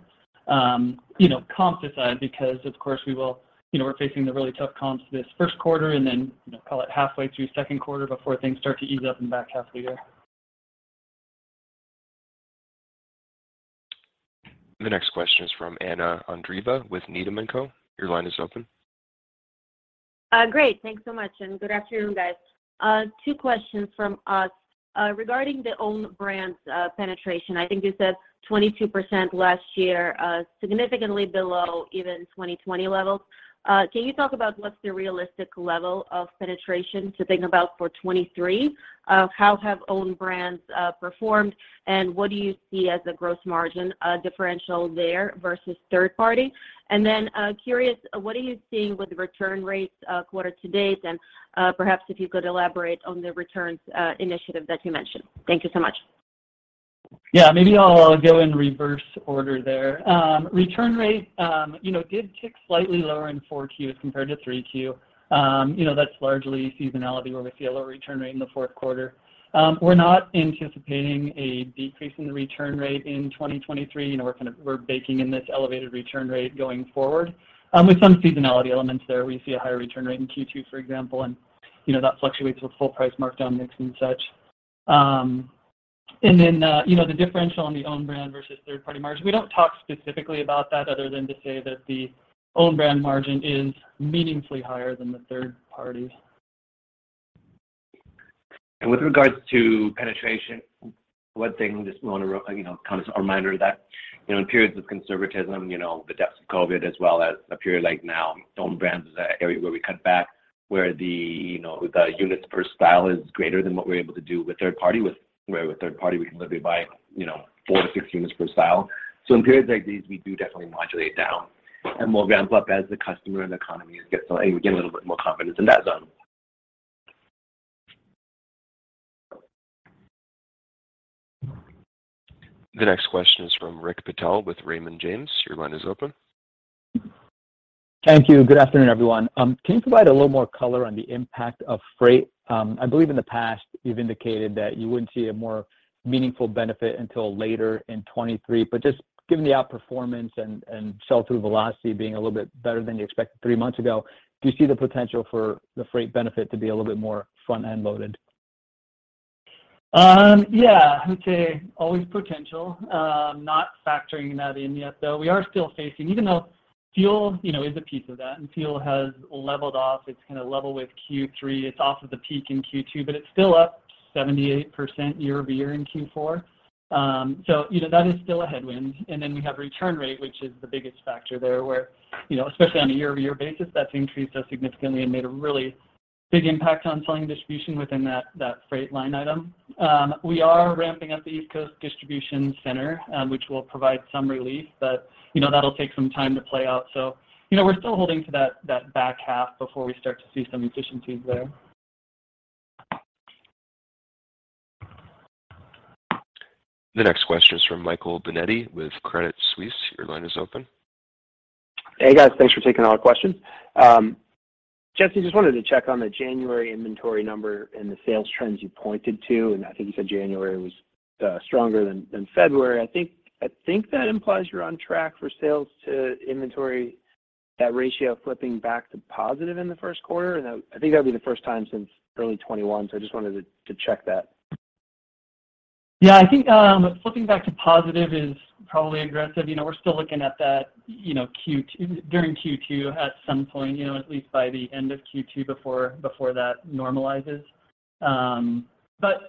You know, comps aside, because of course we will... You know, we're facing the really tough comps this Q1 and then, you know, call it halfway through Q2 before things start to ease up in the back half of the year. The next question is from Anna Andreeva with Needham & Company. Your line is open. Great. Thanks so much, and good afternoon, guys. Two questions from us. Regarding the own brands, penetration, I think you said 22% last year, significantly below even 2020 levels. Can you talk about what's the realistic level of penetration to think about for 2023? How have own brands, performed, and what do you see as a gross margin, differential there versus third party? Then, curious, what are you seeing with the return rates, quarter to date? Perhaps if you could elaborate on the returns, initiative that you mentioned. Thank you so much. Maybe I'll go in reverse order there. Return rate, you know, did tick slightly lower in Q4 compared to Q3. You know, that's largely seasonality where we see a lower return rate in the Q4. We're not anticipating a decrease in the return rate in 2023. You know, we're baking in this elevated return rate going forward. With some seasonality elements there, we see a higher return rate in Q2, for example, and, you know, that fluctuates with full price markdown mix and such. And then, you know, the differential on the own brand versus third party margin, we don't talk specifically about that other than to say that the own brand margin is meaningfully higher than the third party. With regards to penetration, one thing just wanna you know, kind of as a reminder that, you know, in periods of conservatism, you know, the depths of COVID as well as a period like now, own brands is an area where we cut back where the, you know, the units per style is greater than what we're able to do with third party, with third party, we can literally buy, you know, four to six units per style. In periods like these, we do definitely modulate down. We'll ramp up as the customer and the economy get a little bit more confidence in that zone. The next question is from Rick Patel with Raymond James. Your line is open. Thank you. Good afternoon, everyone. Can you provide a little more color on the impact of freight? I believe in the past, you've indicated that you wouldn't see a more meaningful benefit until later in 2023. Just given the outperformance and sell-through velocity being a little bit better than you expected three months ago, do you see the potential for the freight benefit to be a little bit more front-end loaded? Yeah. I would say always potential. Not factoring that in yet, though. We are still facing... Even though fuel, you know, is a piece of that, and fuel has leveled off. It's gonna level with Q3. It's off of the peak in Q2, but it's still up 78% year-over-year in Q4. You know, that is still a headwind. Then we have return rate, which is the biggest factor there where, you know, especially on a year-over-year basis, that's increased significantly and made a really big impact on selling distribution within that freight line item. We are ramping up the East Coast distribution center, which will provide some relief, but, you know, that'll take some time to play out. You know, we're still holding to that back half before we start to see some efficiencies there. The next question is from Michael Binetti with Credit Suisse. Your line is open. Hey, guys. Thanks for taking all our questions. Jesse, just wanted to check on the January inventory number and the sales trends you pointed to, and I think you said January was stronger than February. I think that implies you're on track for sales to inventory, that ratio flipping back to positive in the Q1? I think that'll be the first time since early 2021, so I just wanted to check that. I think, flipping back to positive is probably aggressive. You know, we're still looking at that, you know, during Q2 at some point, you know, at least by the end of Q2 before that normalizes.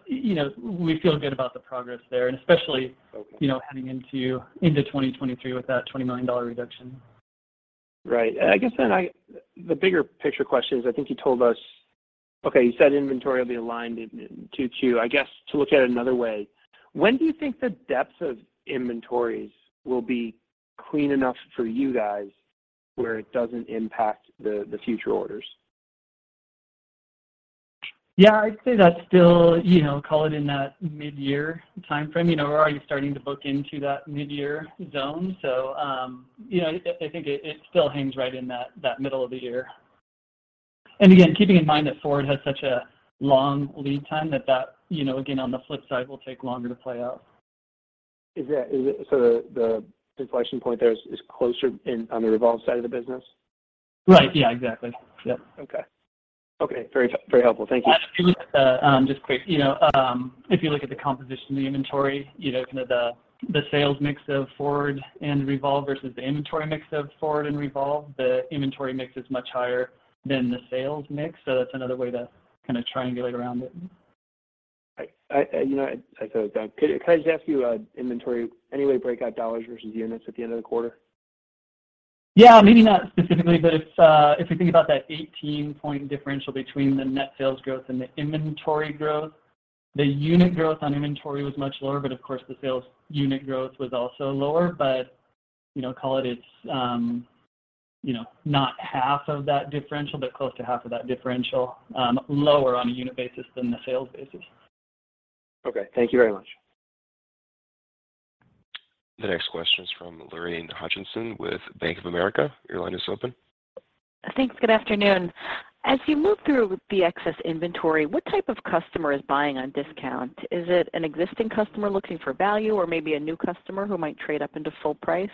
You know, we feel good about the progress there. Okay... you know, heading into 2023 with that $20 million reduction. Right. I guess the bigger picture question is I think you told us. Okay, you said inventory will be aligned in two. I guess to look at it another way, when do you think the depth of inventories will be clean enough for you guys where it doesn't impact the future orders? Yeah. I'd say that's still, you know, call it in that mid-year timeframe. You know, we're already starting to book into that mid-year zone. You know, I think it still hangs right in that middle of the year. Again, keeping in mind that FWRD has such a long lead time that, you know, again, on the flip side, will take longer to play out. Is it the inflection point there is closer in on the Revolve side of the business? Right. Yeah, exactly. Yep. Okay. Okay, very, very helpful. Thank you. If you look, just quick, you know, if you look at the composition of the inventory, you know, kind of the sales mix of FWRD and Revolve versus the inventory mix of FWRD and Revolve, the inventory mix is much higher than the sales mix. That's another way to kinda triangulate around it. I, you know, I. Could I just ask you, inventory, any way to break out dollars versus units at the end of the quarter? Yeah, maybe not specifically. If you think about that 18-point differential between the net sales growth and the inventory growth, the unit growth on inventory was much lower, but of course the sales unit growth was also lower. You know, call it it's, you know, not half of that differential, but close to half of that differential, lower on a unit basis than the sales basis. Okay. Thank you very much. The next question is from Lorraine Hutchinson with Bank of America. Your line is open. Thanks. Good afternoon. As you move through the excess inventory, what type of customer is buying on discount? Is it an existing customer looking for value or maybe a new customer who might trade up into full price?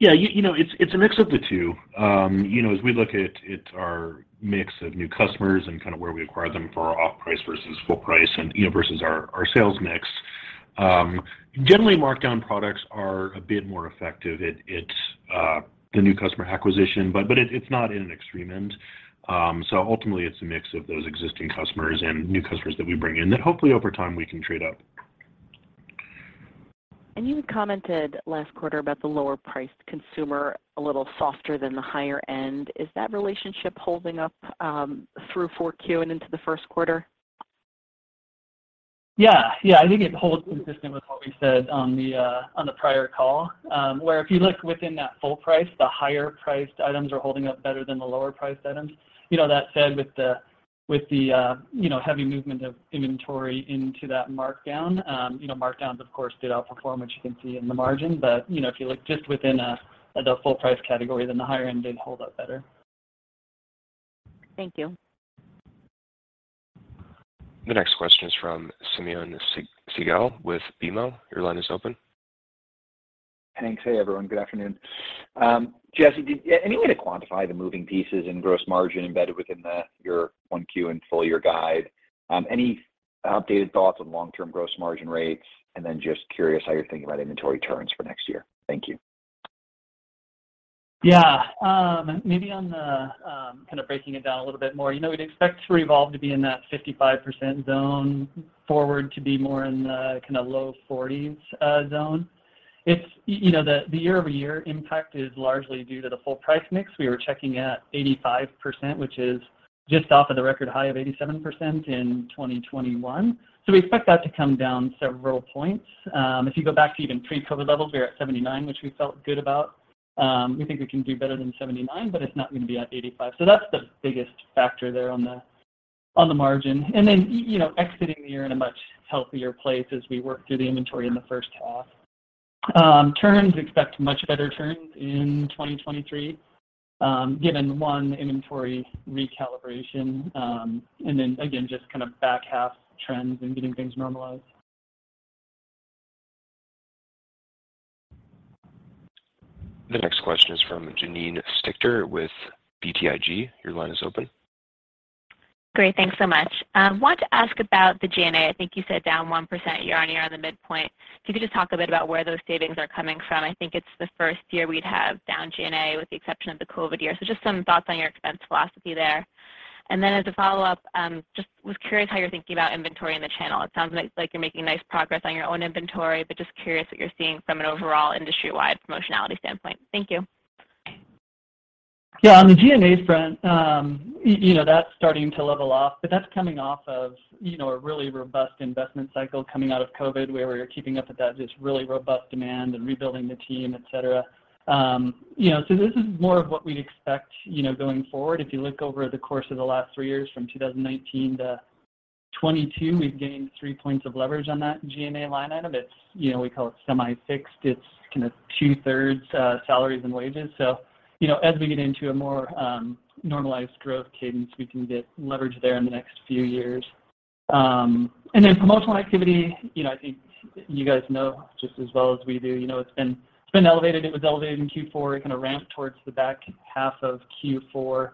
Yeah, you know, it's a mix of the two. You know, as we look at our mix of new customers and kinda where we acquire them for off-price versus full price and, you know, versus our sales mix, generally markdown products are a bit more effective at the new customer acquisition, but it's not in an extreme end. Ultimately it's a mix of those existing customers and new customers that we bring in that hopefully over time we can trade up. You had commented last quarter about the lower priced consumer a little softer than the higher end. Is that relationship holding up through Q4 and into the Q1? Yeah. Yeah. I think it holds consistent with what we said on the prior call, where if you look within that full price, the higher priced items are holding up better than the lower priced items. You know, that said, with the, with the, you know, heavy movement of inventory into that markdown, you know, markdowns of course did outperform, which you can see in the margin. You know, if you look just within a, the full price category, then the higher end did hold up better. Thank you. The next question is from Simeon Siegel with BMO. Your line is open. Thanks. Hey, everyone. Good afternoon. Jesse, do you have any way to quantify the moving pieces in gross margin embedded within the, your Q1 and full year guide? Any updated thoughts on long-term gross margin rates? Just curious how you're thinking about inventory turns for next year. Thank you. Yeah. Maybe on the kind of breaking it down a little bit more, you know, we'd expect Revolve to be in that 55% zone, FWRD to be more in the kinda low 40s zone. You know, the year-over-year impact is largely due to the full price mix. We were checking at 85%, which is just off of the record high of 87% in 2021. We expect that to come down several points. If you go back to even pre-COVID levels, we were at 79, which we felt good about. We think we can do better than 79, but it's not gonna be at 85. That's the biggest factor there on the margin. you know, exiting the year in a much healthier place as we work through the inventory in the first half. turns, expect much better turns in 2023, given one, inventory recalibration, and then again, just kind of back half trends and getting things normalized. The next question is from Janine Stichter with BTIG. Your line is open. Great. Thanks so much. Wanted to ask about the G&A. I think you said down 1% year-over-year on the midpoint. If you could just talk a bit about where those savings are coming from. I think it's the first year we'd have down G&A with the exception of the COVID year. Just some thoughts on your expense philosophy there. As a follow-up, just was curious how you're thinking about inventory in the channel. It sounds like you're making nice progress on your own inventory, but just curious what you're seeing from an overall industry-wide promotionality standpoint. Thank you. Yeah. On the G&A front, you know, that's starting to level off, that's coming off of, you know, a really robust investment cycle coming out of COVID, where we were keeping up with that just really robust demand and rebuilding the team, et cetera. You know, this is more of what we'd expect, you know, going forward. If you look over the course of the last three years from 2019 to 2022, we've gained three points of leverage on that G&A line item. It's, you know, we call it semi-fixed. It's kinda two-thirds, salaries and wages. You know, as we get into a more normalized growth cadence, we can get leverage there in the next few years. Then promotional activity, you know, I think you guys know just as well as we do. You know, it's been elevated. It was elevated in Q4. It kinda ramped towards the back half of Q4.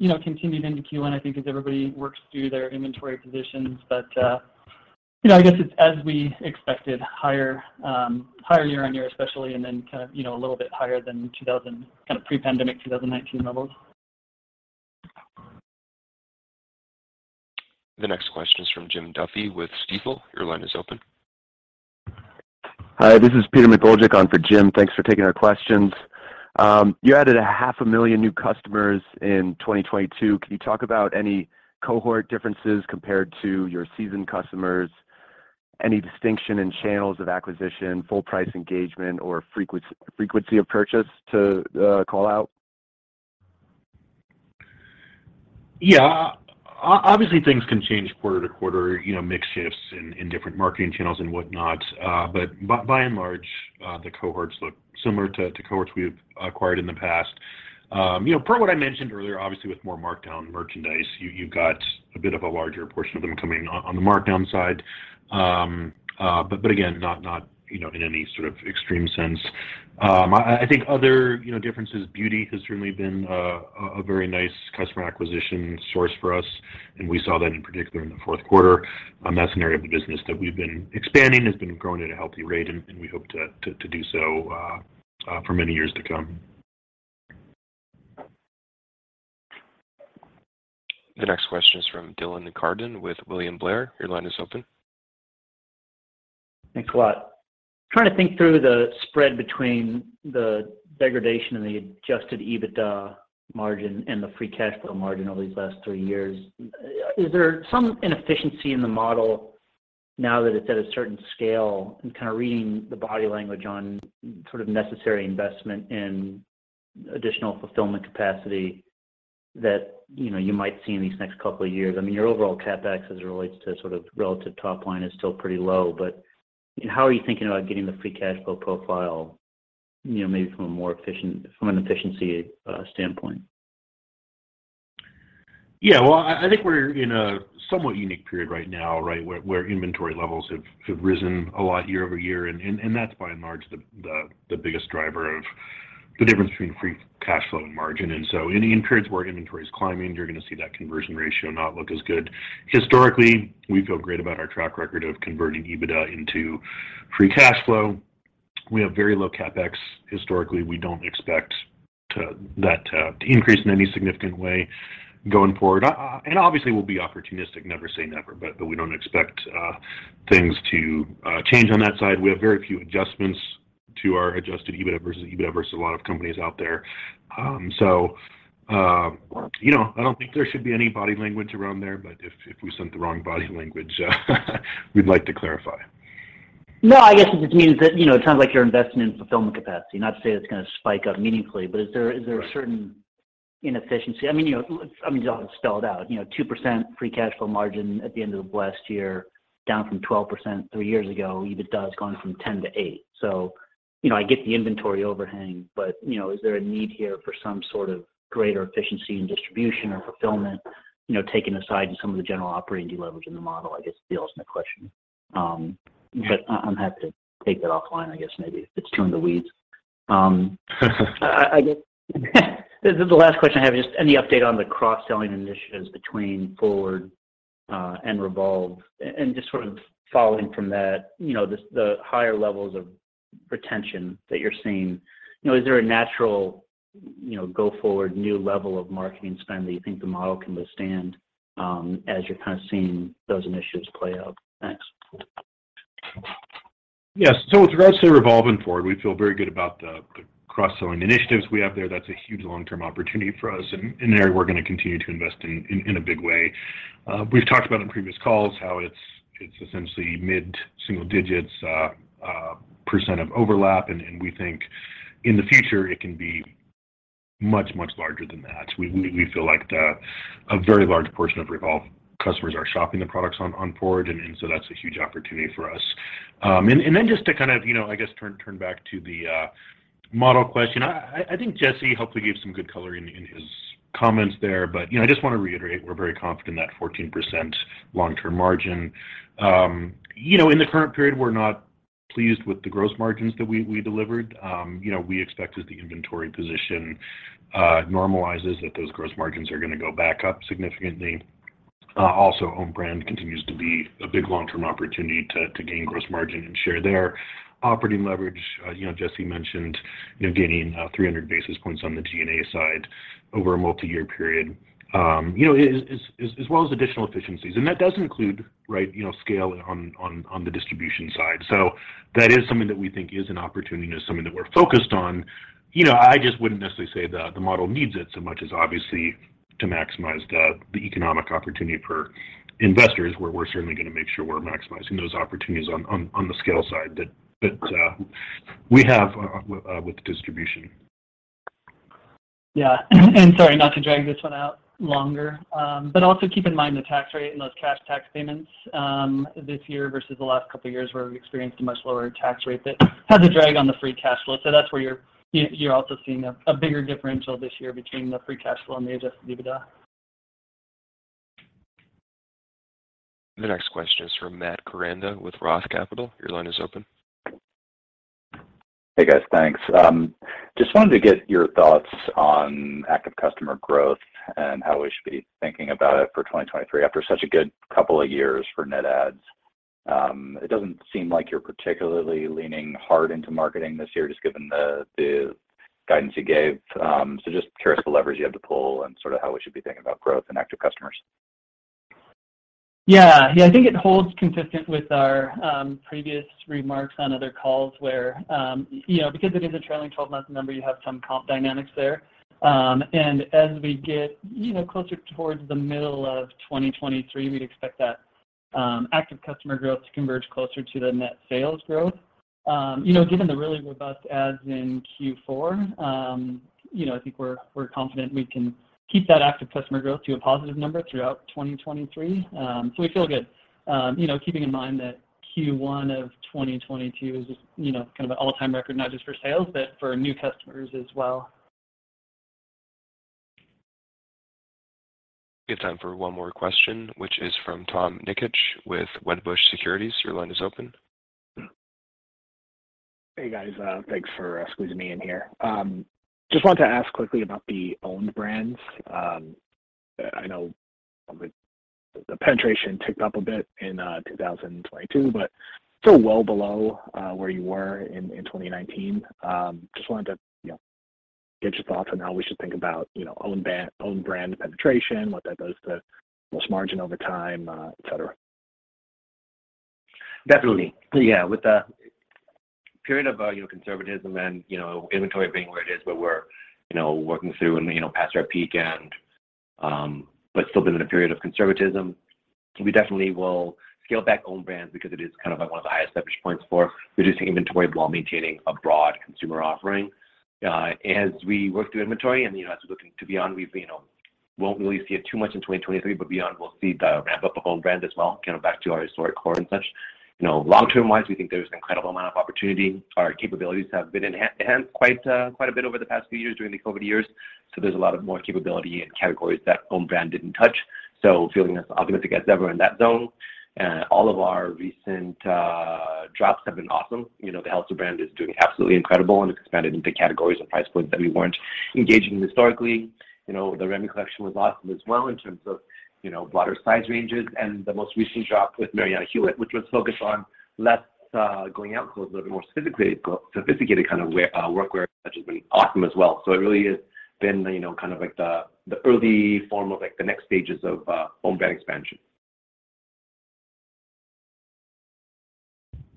You know, continued into Q1, I think, as everybody works through their inventory positions. You know, I guess it's as we expected, higher year-on-year especially, and then kind of, you know, a little bit higher than kind of pre-pandemic 2019 levels. The next question is from Jim Duffy with Stifel. Your line is open. Hi, this is Peter McGoldrick on for Jim. Thanks for taking our questions. You added a half a million new customers in 2022. Can you talk about any cohort differences compared to your seasoned customers? Any distinction in channels of acquisition, full price engagement, or frequency of purchase to call out? Yeah. Obviously, things can change quarter to quarter, you know, mix shifts in different marketing channels and whatnot. By and large, the cohorts look similar to cohorts we've acquired in the past. You know, per what I mentioned earlier, obviously with more markdown merchandise, you've got a bit of a larger portion of them coming on the markdown side. Again, not, you know, in any sort of extreme sense. I think other, you know, differences, beauty has certainly been a very nice customer acquisition source for us, and we saw that in particular in the Q4. That's an area of the business that we've been expanding, has been growing at a healthy rate, and we hope to do so for many years to come. The next question is from Dylan Carden with William Blair. Your line is open. Thanks a lot. Trying to think through the spread between the degradation in the Adjusted EBITDA margin and the free cash flow margin over these last three years. Is there some inefficiency in the model now that it's at a certain scale and kinda reading the body language on sort of necessary investment in additional fulfillment capacity that, you know, you might see in these next couple of years? I mean, your overall CapEx as it relates to sort of relative top line is still pretty low, but how are you thinking about getting the free cash flow profile, you know, maybe from an efficiency standpoint? Yeah. Well, I think we're in a somewhat unique period right now, right, where inventory levels have risen a lot year-over-year, and, and that's by and large the, the biggest driver of the difference between free cash flow and margin. Any periods where inventory is climbing, you're going to see that conversion ratio not look as good. Historically, we feel great about our track record of converting EBITDA into free cash flow. We have very low CapEx. Historically, we don't expect that to increase in any significant way going forward. Obviously, we'll be opportunistic, never say never, but we don't expect things to change on that side. We have very few adjustments to our Adjusted EBITDA versus EBITDA versus a lot of companies out there. You know, I don't think there should be any body language around there, but if we sent the wrong body language, we'd like to clarify. I guess it just means that, you know, it sounds like you're investing in fulfillment capacity. Not to say that's gonna spike up meaningfully, but is there a certain inefficiency? I mean, you know, I mean, it's all spelled out, you know, 2% free cash flow margin at the end of last year, down from 12% three years ago. EBITDA has gone from 10% to 8%. You know, I get the inventory overhang, but, you know, is there a need here for some sort of greater efficiency in distribution or fulfillment, you know, taken aside to some of the general operating deleverage in the model? I guess is the ultimate question. I'll have to take that offline, I guess, maybe if it's too in the weeds. I guess the last question I have is any update on the cross-selling initiatives between FWRD and Revolve? Just sort of following from that, you know, the higher levels of retention that you're seeing. You know, is there a natural, you know, go-forward new level of marketing spend that you think the model can withstand as you're kind of seeing those initiatives play out? Thanks. Yes. With regards to Revolve and FWRD, we feel very good about the cross-selling initiatives we have there. That's a huge long-term opportunity for us, and there we're gonna continue to invest in a big way. We've talked about on previous calls how it's essentially mid-single digits % of overlap, and we think in the future, it can be much, much larger than that. We feel like a very large portion of Revolve customers are shopping the products on FWRD, that's a huge opportunity for us. And then just to kind of, you know, I guess turn back to the model question. I think Jesse helpfully gave some good color in his comments there, you know, I just wanna reiterate, we're very confident in that 14% long-term margin. You know, in the current period, we're not pleased with the gross margins that we delivered. You know, we expect as the inventory position normalizes, that those gross margins are gonna go back up significantly. Also, own brand continues to be a big long-term opportunity to gain gross margin and share there. Operating leverage, you know, Jesse mentioned, you know, gaining 300 basis points on the G&A side over a multi-year period. You know, as well as additional efficiencies, and that does include, right, you know, scale on the distribution side. That is something that we think is an opportunity and is something that we're focused on. You know, I just wouldn't necessarily say the model needs it so much as obviously to maximize the economic opportunity for investors, where we're certainly gonna make sure we're maximizing those opportunities on the scale side that we have with distribution. Yeah. Sorry, not to drag this one out longer, but also keep in mind the tax rate and those cash tax payments this year versus the last couple of years, where we've experienced a much lower tax rate that has a drag on the free cash flow. That's where you're also seeing a bigger differential this year between the free cash flow and the Adjusted EBITDA. The next question is from Matt Koranda with ROTH Capital. Your line is open. Hey, guys. Thanks. Just wanted to get your thoughts on active customer growth and how we should be thinking about it for 2023 after such a good couple of years for net adds. It doesn't seem like you're particularly leaning hard into marketing this year, just given the guidance you gave. Just curious the leverage you have to pull and sort of how we should be thinking about growth in active customers. Yeah. Yeah, I think it holds consistent with our previous remarks on other calls where, you know, because it is a trailing 12-month number, you have some comp dynamics there. As we get, you know, closer towards the middle of 2023, we'd expect that active customer growth to converge closer to the net sales growth. You know, given the really robust adds in Q4, you know, I think we're confident we can keep that active customer growth to a positive number throughout 2023. We feel good, you know, keeping in mind that Q1 of 2022 is, you know, kind of an all-time record, not just for sales, but for new customers as well. We have time for one more question, which is from Tom Nikic with Wedbush Securities. Your line is open. Hey, guys. Thanks for squeezing me in here. Just wanted to ask quickly about the own brands. I know the penetration ticked up a bit in 2022, but still well below where you were in 2019. Just wanted to, you know, get your thoughts on how we should think about, you know, own brand, own brand penetration, what that does to gross margin over time? et cetera. Definitely. Yeah. With the period of, you know, conservatism and, you know, inventory being where it is, where we're, you know, working through and, you know, past our peak and, but still been in a period of conservatism. We definitely will scale back own brands because it is kind of like one of the highest leverage points for reducing inventory while maintaining a broad consumer offering. As we work through inventory and, you know, as we look into beyond, we, you know, won't really see it too much in 2023, but beyond, we'll see the ramp up of own brand as well, kind of back to our historic core and such. You know, long-term wise, we think there's an incredible amount of opportunity. Our capabilities have been enhanced quite a bit over the past few years during the COVID years. There's a lot of more capability in categories that own brand didn't touch. Feeling as optimistic as ever in that zone. All of our recent drops have been awesome. You know, the Helsa brand is doing absolutely incredible, and it's expanded into categories and price points that we weren't engaging historically. You know, the Remi collection was awesome as well in terms of, you know, broader size ranges. The most recent drop with Marianna Hewitt, which was focused on less going out clothes, a little bit more sophisticated kind of wear, workwear, which has been awesome as well. It really has been, you know, kind of like the early form of like, the next stages of own brand expansion.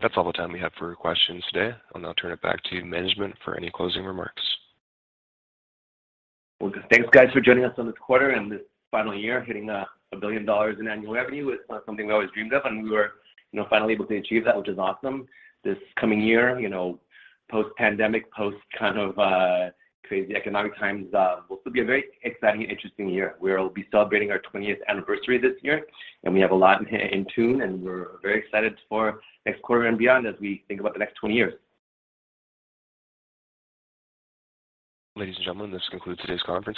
That's all the time we have for questions today. I'll now turn it back to management for any closing remarks. Well, just thanks, guys, for joining us on this quarter and this final year. Hitting $1 billion in annual revenue is something we always dreamed of. We were, you know, finally able to achieve that, which is awesome. This coming year, you know, post-pandemic, post kind of crazy economic times, will still be a very exciting and interesting year. We'll be celebrating our 20th anniversary this year. We have a lot in tune, and we're very excited for next quarter and beyond as we think about the next 20 years. Ladies and gentlemen, this concludes today's conference.